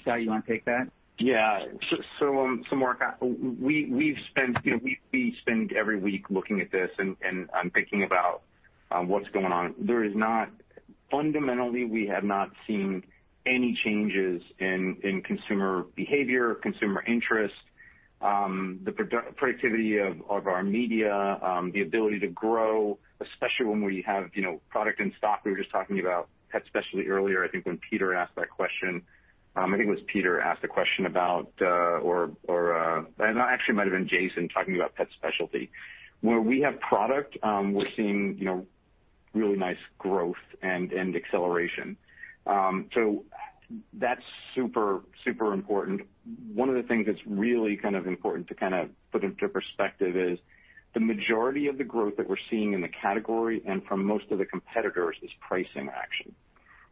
Scott, you wanna take that? Mark, we've spent, you know, we spend every week looking at this and thinking about what's going on. Fundamentally, we have not seen any changes in consumer behavior, consumer interest, the productivity of our media, the ability to grow, especially when we have, you know, product in stock. We were just talking about pet specialty earlier I think when Peter asked that question. I think it was Peter asked a question about. No, actually it might have been Jason talking about pet specialty. Where we have product, we're seeing, you know, really nice growth and acceleration. That's super important. One of the things that's really kind of important to kind of put into perspective is the majority of the growth that we're seeing in the category and from most of the competitors is pricing action.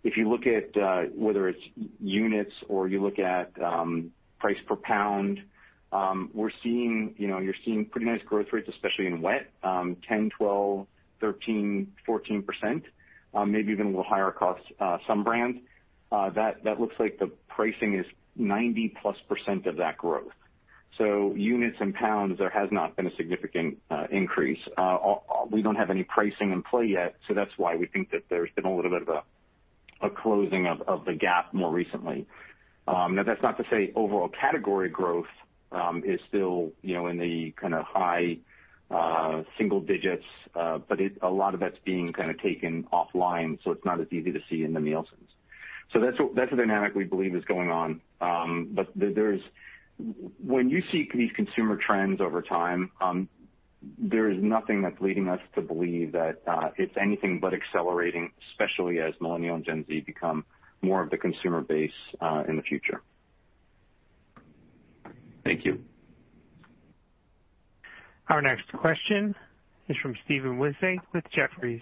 If you look at whether it's units or you look at price per pound, we're seeing, you know, you're seeing pretty nice growth rates, especially in wet 10, 12, 13, 14%, maybe even a little higher across some brands. That looks like the pricing is 90+% of that growth. Units and pounds, there has not been a significant increase. We don't have any pricing in play yet, so that's why we think that there's been a little bit of a closing of the gap more recently. Now that's not to say overall category growth is still, you know, in the kinda high single digits, but a lot of that's being kinda taken offline, so it's not as easy to see in the Nielsens. That's what, that's the dynamic we believe is going on. When you see these consumer trends over time, there is nothing that's leading us to believe that it's anything but accelerating, especially as Millennials and Gen Z become more of the consumer base in the future. Thank you. Our next question is from Stephanie Wissink with Jefferies.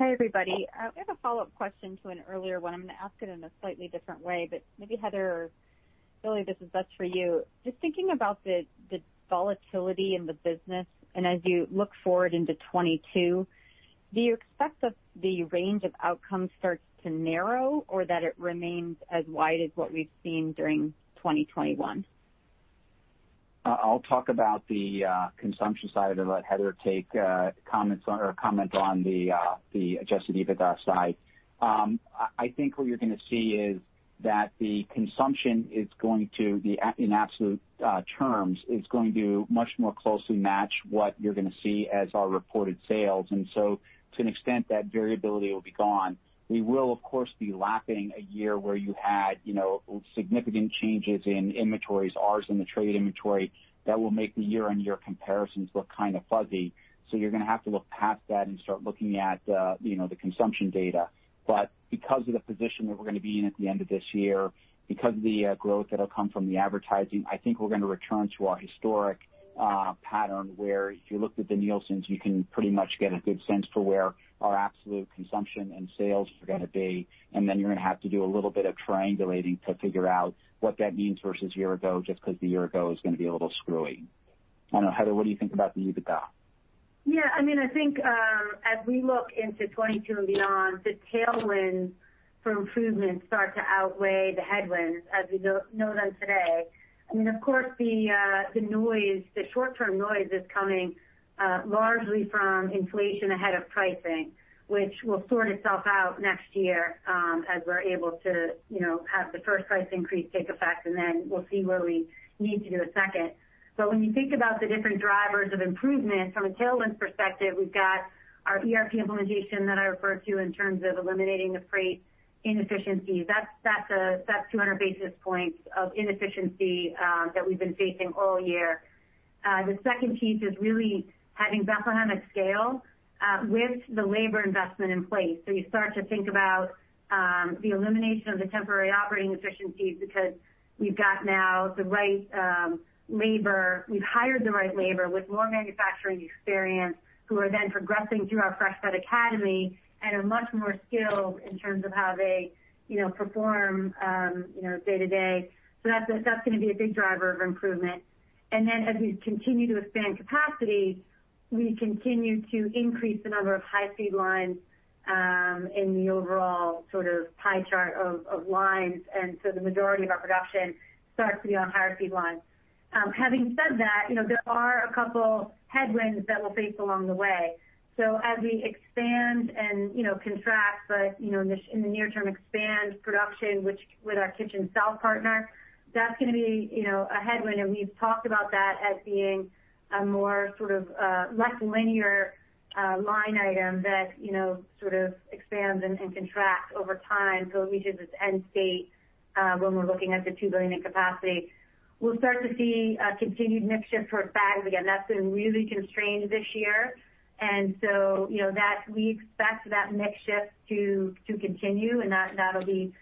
Hi, everybody. We have a follow-up question to an earlier one. I'm gonna ask it in a slightly different way, but maybe Heather or Billy, this is best for you. Just thinking about the volatility in the business and as you look forward into 2022, do you expect that the range of outcomes starts to narrow or that it remains as wide as what we've seen during 2021? I'll talk about the consumption side and let Heather take comments on or comment on the adjusted EBITDA side. I think what you're gonna see is that the consumption is going to be in absolute terms, is going to much more closely match what you're gonna see as our reported sales. To an extent, that variability will be gone. We will of course be lapping a year where you had, you know, significant changes in inventories, ours and the trade inventory, that will make the year-on-year comparisons look kind of fuzzy. You're gonna have to look past that and start looking at, you know, the consumption data. Because of the position that we're gonna be in at the end of this year, because of the growth that'll come from the advertising, I think we're gonna return to our historic pattern where if you looked at the Nielsens, you can pretty much get a good sense for where our absolute consumption and sales are gonna be. And then you're gonna have to do a little bit of triangulating to figure out what that means versus year ago, just 'cause the year ago is gonna be a little screwy. I don't know, Heather, what do you think about the EBITDA? Yeah, I mean, I think, as we look into 2022 and beyond, the tailwinds for improvement start to outweigh the headwinds as we know them today. I mean, of course the noise, the short-term noise is coming largely from inflation ahead of pricing, which will sort itself out next year, as we're able to, you know, have the first price increase take effect, and then we'll see where we need to do a second. When you think about the different drivers of improvement from a tailwind perspective, we've got our ERP implementation that I referred to in terms of eliminating the freight inefficiency. That's 200 basis points of inefficiency that we've been facing all year. The second piece is really having Bethlehem at scale with the labor investment in place. You start to think about the elimination of the temporary operating efficiencies because we've got now the right labor. We've hired the right labor with more manufacturing experience, who are then progressing through our Freshpet Academy and are much more skilled in terms of how they, you know, perform, you know, day to day. That's gonna be a big driver of improvement. Then as we continue to expand capacity, we continue to increase the number of high-speed lines in the overall sort of pie chart of lines. The majority of our production starts to be on higher speed lines. Having said that, you know, there are a couple headwinds that we'll face along the way. As we expand and, you know, contract, but you know, in the near term, expand production, which with our Kitchens South partner, that's gonna be, you know, a headwind. We've talked about that as being a more sort of less linear line item that, you know, sort of expands and contracts over time. It reaches its end state when we're looking at the 2 billion in capacity. We'll start to see continued mix shift towards bags. Again, that's been really constrained this year. You know, that we expect that mix shift to continue, and that'll be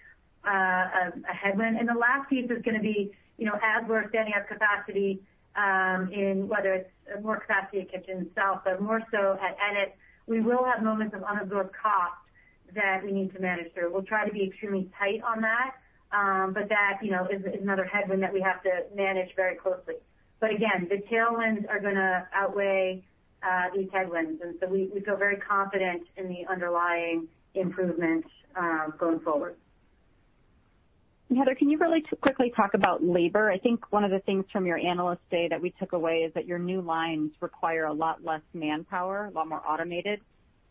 a headwind. The last piece is gonna be, you know, as we're standing up capacity in whether it's more capacity at Kitchens South, but more so at Ennis, we will have moments of unabsorbed costs that we need to manage through. We'll try to be extremely tight on that, but that, you know, is another headwind that we have to manage very closely. But again, the tailwinds are gonna outweigh these headwinds. We feel very confident in the underlying improvements going forward. Heather, can you really quickly talk about labor? I think one of the things from your Analyst Day that we took away is that your new lines require a lot less manpower, a lot more automated.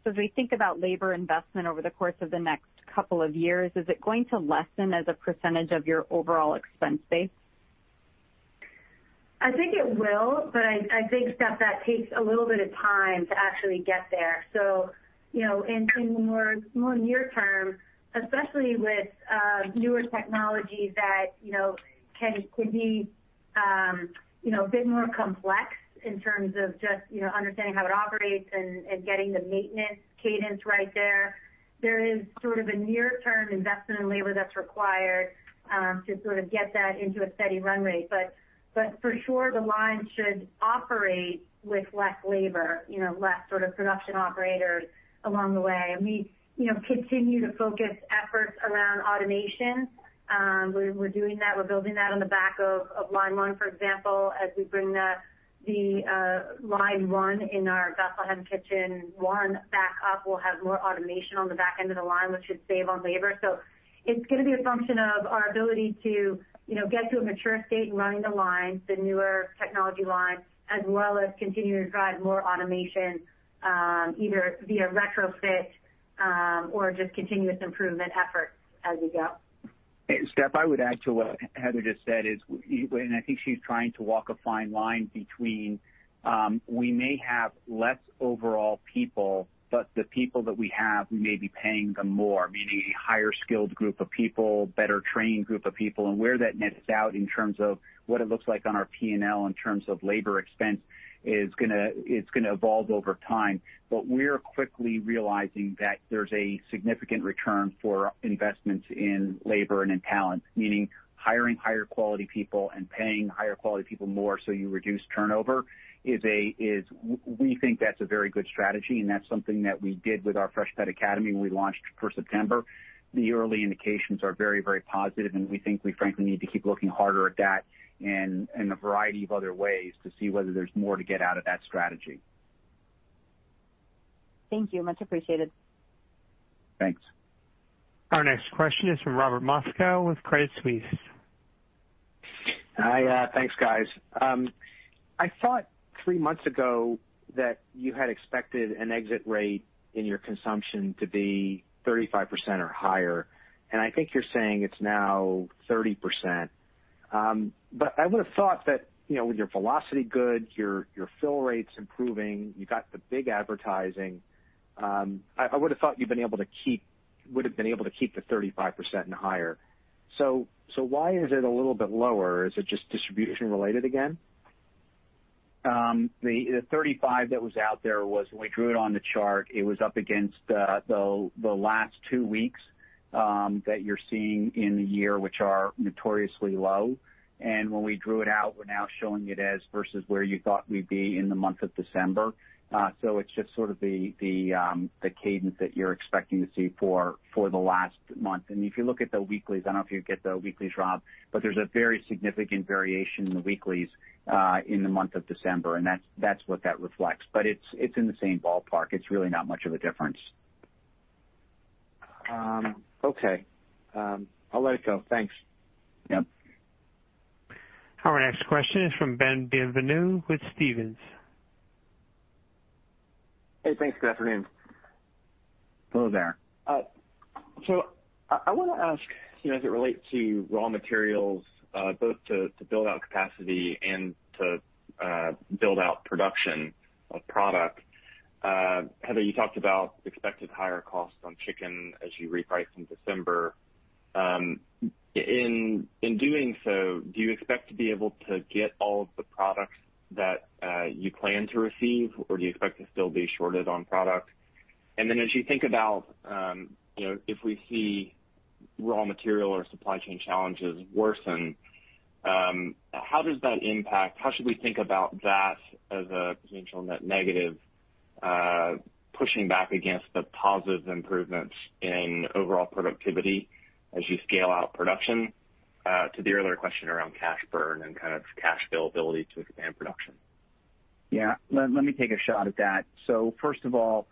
As we think about labor investment over the course of the next couple of years, is it going to lessen as a percentage of your overall expense base? I think it will, but I think, Steph, that takes a little bit of time to actually get there. You know, in the more near term, especially with newer technologies that you know can be you know a bit more complex in terms of just you know understanding how it operates and getting the maintenance cadence right, there is sort of a near-term investment in labor that's required to sort of get that into a steady run rate. For sure, the line should operate with less labor, you know, less sort of production operators along the way. We, you know, continue to focus efforts around automation. We're doing that. We're building that on the back of line one, for example. As we bring the line one in our Bethlehem Kitchen One back up, we'll have more automation on the back end of the line, which should save on labor. It's gonna be a function of our ability to, you know, get to a mature state in running the lines, the newer technology lines, as well as continue to drive more automation, either via retrofit, or just continuous improvement efforts as we go. Hey, Steph, I would add to what Heather just said, and I think she's trying to walk a fine line between we may have less overall people, but the people that we have, we may be paying them more, meaning a higher skilled group of people, better trained group of people. Where that nets out in terms of what it looks like on our P&L in terms of labor expense, it's gonna evolve over time. We're quickly realizing that there's a significant return for investments in labor and in talent, meaning hiring higher quality people and paying higher quality people more so you reduce turnover. We think that's a very good strategy, and that's something that we did with our Freshpet Academy when we launched for September. The early indications are very, very positive, and we think we frankly need to keep looking harder at that and a variety of other ways to see whether there's more to get out of that strategy. Thank you. Much appreciated. Thanks. Our next question is from Robert Moskow with Credit Suisse. Hi. Thanks, guys. I thought three months ago that you had expected an exit rate in your consumption to be 35% or higher, and I think you're saying it's now 30%. I would've thought that, you know, with your velocity good, your fill rates improving, you got the big advertising, I would've thought you've been able to keep—would've been able to keep the 35% and higher. Why is it a little bit lower? Is it just distribution related again? The 35 that was out there was when we drew it on the chart. It was up against the last two weeks that you're seeing in the year, which are notoriously low. When we drew it out, we're now showing it as versus where you thought we'd be in the month of December. It's just sort of the cadence that you're expecting to see for the last month. If you look at the weeklies, I don't know if you get the weeklies, Rob, but there's a very significant variation in the weeklies in the month of December, and that's what that reflects. It's in the same ballpark. It's really not much of a difference. Okay. I'll let it go. Thanks. Yep. Our next question is from Ben Bienvenu with Stephens. Hey, thanks. Good afternoon. Hello there. I wanna ask, you know, as it relates to raw materials, both to build out capacity and to build out production of product. Heather, you talked about expected higher costs on chicken as you reprice in December. In doing so, do you expect to be able to get all of the products that you plan to receive, or do you expect to still be shorted on product? As you think about, you know, if we see raw material or supply chain challenges worsen, how should we think about that as a potential net negative, pushing back against the positive improvements in overall productivity as you scale out production, to the earlier question around cash burn and kind of cash availability to expand production? Yeah. Let me take a shot at that. First of all,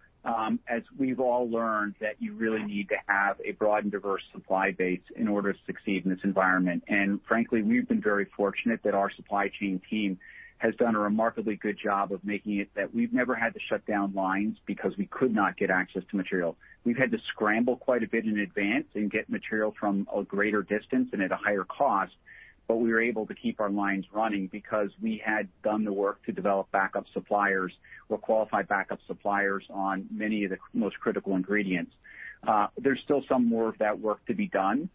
as we've all learned that you really need to have a broad and diverse supply base in order to succeed in this environment. Frankly, we've been very fortunate that our supply chain team has done a remarkably good job of making it that we've never had to shut down lines because we could not get access to material. We've had to scramble quite a bit in advance and get material from a greater distance and at a higher cost. We were able to keep our lines running because we had done the work to develop backup suppliers or qualified backup suppliers on many of the most critical ingredients. There's still some more of that work to be done.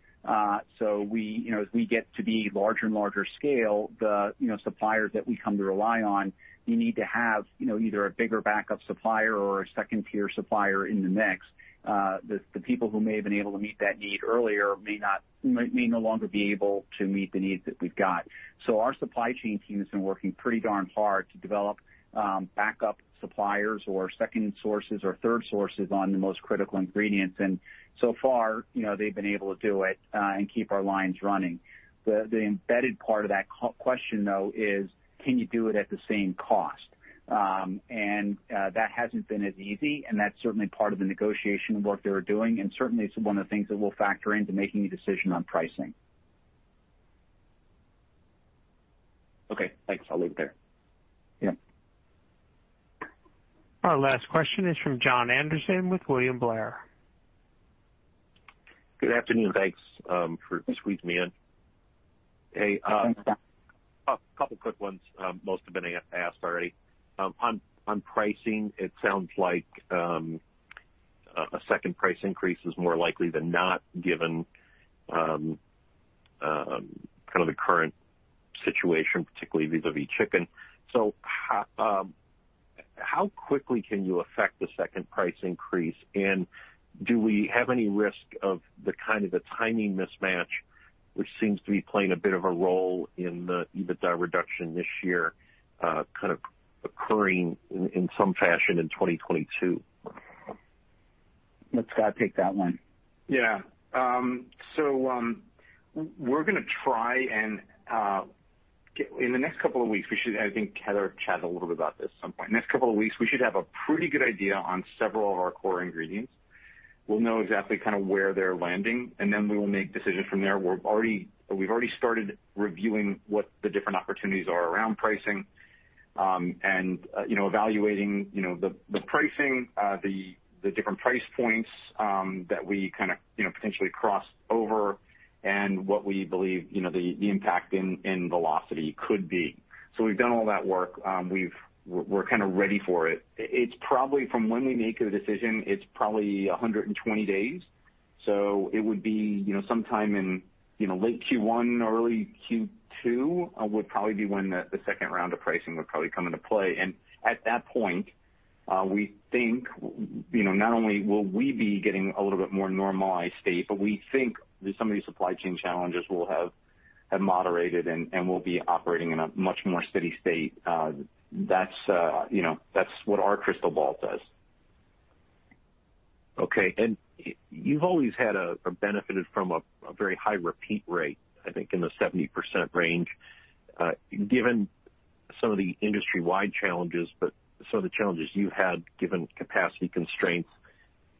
We, you know, as we get to be larger and larger scale, you know, suppliers that we come to rely on, you need to have, you know, either a bigger backup supplier or a second-tier supplier in the mix. The people who may have been able to meet that need earlier may no longer be able to meet the needs that we've got. Our supply chain team has been working pretty darn hard to develop backup suppliers or second sources or third sources on the most critical ingredients. So far, you know, they've been able to do it and keep our lines running. The embedded part of that question, though, is can you do it at the same cost? That hasn't been as easy, and that's certainly part of the negotiation work they were doing. Certainly it's one of the things that we'll factor into making a decision on pricing. Okay, thanks. I'll leave it there. Yeah. Our last question is from Jon Andersen with William Blair. Good afternoon. Thanks for squeezing me in. Hey, Thanks, Jon. A couple quick ones, most have been asked already. On pricing, it sounds like a second price increase is more likely than not given kind of the current situation, particularly vis-à-vis chicken. How quickly can you affect the second price increase? Do we have any risk of the kind of timing mismatch, which seems to be playing a bit of a role in the EBITDA reduction this year, kind of occurring in some fashion in 2022? Let Scott take that one. I think Heather chatted a little bit about this at some point. In the next couple of weeks, we should have a pretty good idea on several of our core ingredients. We'll know exactly kinda where they're landing, and then we will make decisions from there. We've already started reviewing what the different opportunities are around pricing, and you know, evaluating you know the pricing, the different price points that we kinda you know potentially cross over and what we believe you know the impact in velocity could be. So we've done all that work. We're kinda ready for it. It's probably from when we make a decision, 120 days. It would be, you know, sometime in, you know, late Q1 or early Q2, would probably be when the second round of pricing would probably come into play. At that point, we think, you know, not only will we be getting a little bit more normalized state, but we think that some of these supply chain challenges will have moderated and we'll be operating in a much more steady state. That's what our crystal ball says. Okay. You've always had a or benefited from a very high repeat rate, I think in the 70% range. Given some of the industry-wide challenges, but some of the challenges you had, given capacity constraints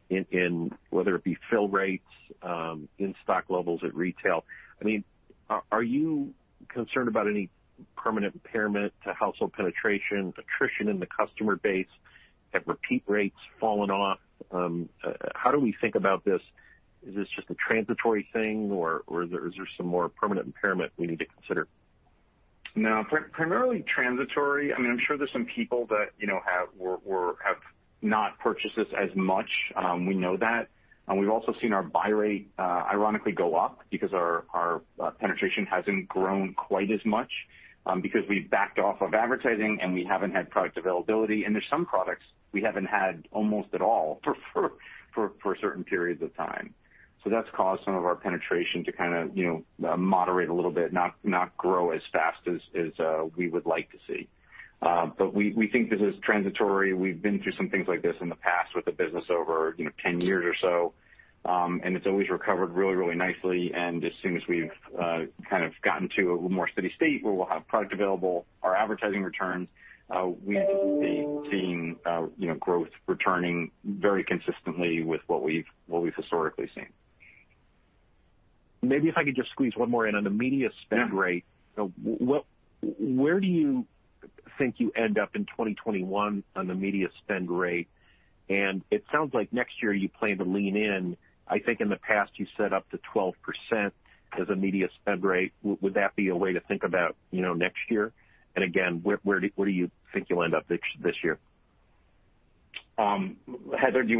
in whether it be fill rates, in-stock levels at retail, I mean, are you concerned about any permanent impairment to household penetration, attrition in the customer base? Have repeat rates fallen off? How do we think about this? Is this just a transitory thing or is there some more permanent impairment we need to consider? No, primarily transitory. I mean, I'm sure there's some people that, you know, have not purchased this as much. We know that. We've also seen our buy rate, ironically go up because our penetration hasn't grown quite as much, because we backed off of advertising and we haven't had product availability. There's some products we haven't had almost at all for certain periods of time. So that's caused some of our penetration to kinda, you know, moderate a little bit, not grow as fast as we would like to see. We think this is transitory. We've been through some things like this in the past with the business over, you know, 10 years or so. It's always recovered really nicely. As soon as we've kind of gotten to a more steady state where we'll have product available, our advertising returns, we anticipate seeing, you know, growth returning very consistently with what we've historically seen. Maybe if I could just squeeze one more in on the media spend rate. Yeah. Where do you think you end up in 2021 on the media spend rate? It sounds like next year you plan to lean in. I think in the past you said up to 12% as a media spend rate. Would that be a way to think about, you know, next year? Again, where do you think you'll end up this year? Heather, do you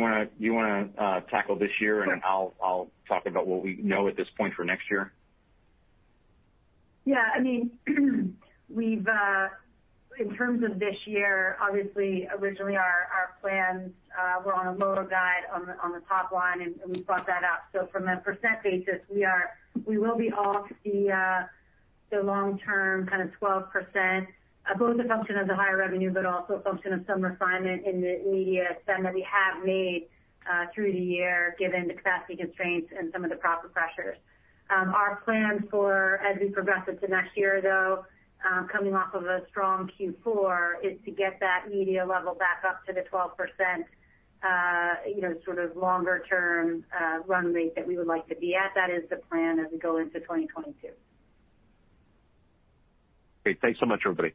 wanna tackle this year? Sure. I'll talk about what we know at this point for next year. Yeah. I mean we've in terms of this year, obviously originally our plans were on a lower guide on the top line, and we brought that up. So from a percent basis, we will be off the long-term kind of 12%, both a function of the higher revenue, but also a function of some refinement in the media spend that we have made through the year, given the capacity constraints and some of the profit pressures. Our plan for as we progress into next year, though, coming off of a strong Q4, is to get that media level back up to the 12%, you know, sort of longer term run rate that we would like to be at. That is the plan as we go into 2022. Great. Thanks so much, everybody.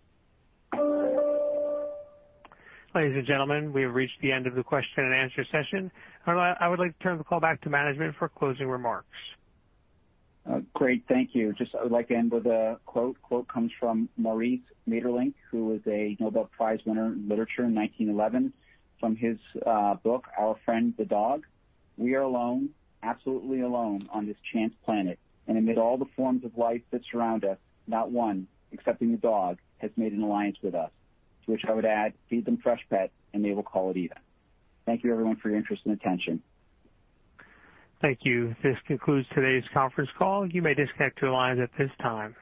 Ladies and gentlemen, we have reached the end of the question and answer session. I would like to turn the call back to management for closing remarks. Great. Thank you. Just I would like to end with a quote. Quote comes from Maurice Maeterlinck, who was a Nobel Prize winner in literature in 1911 from his book, Our Friend the Dog. "We are alone, absolutely alone on this chance planet, and amid all the forms of life that surround us, not one, excepting the dog, has made an alliance with us." To which I would add, feed them Freshpet, and they will call it even. Thank you everyone for your interest and attention. Thank you. This concludes today's conference call. You may disconnect your lines at this time.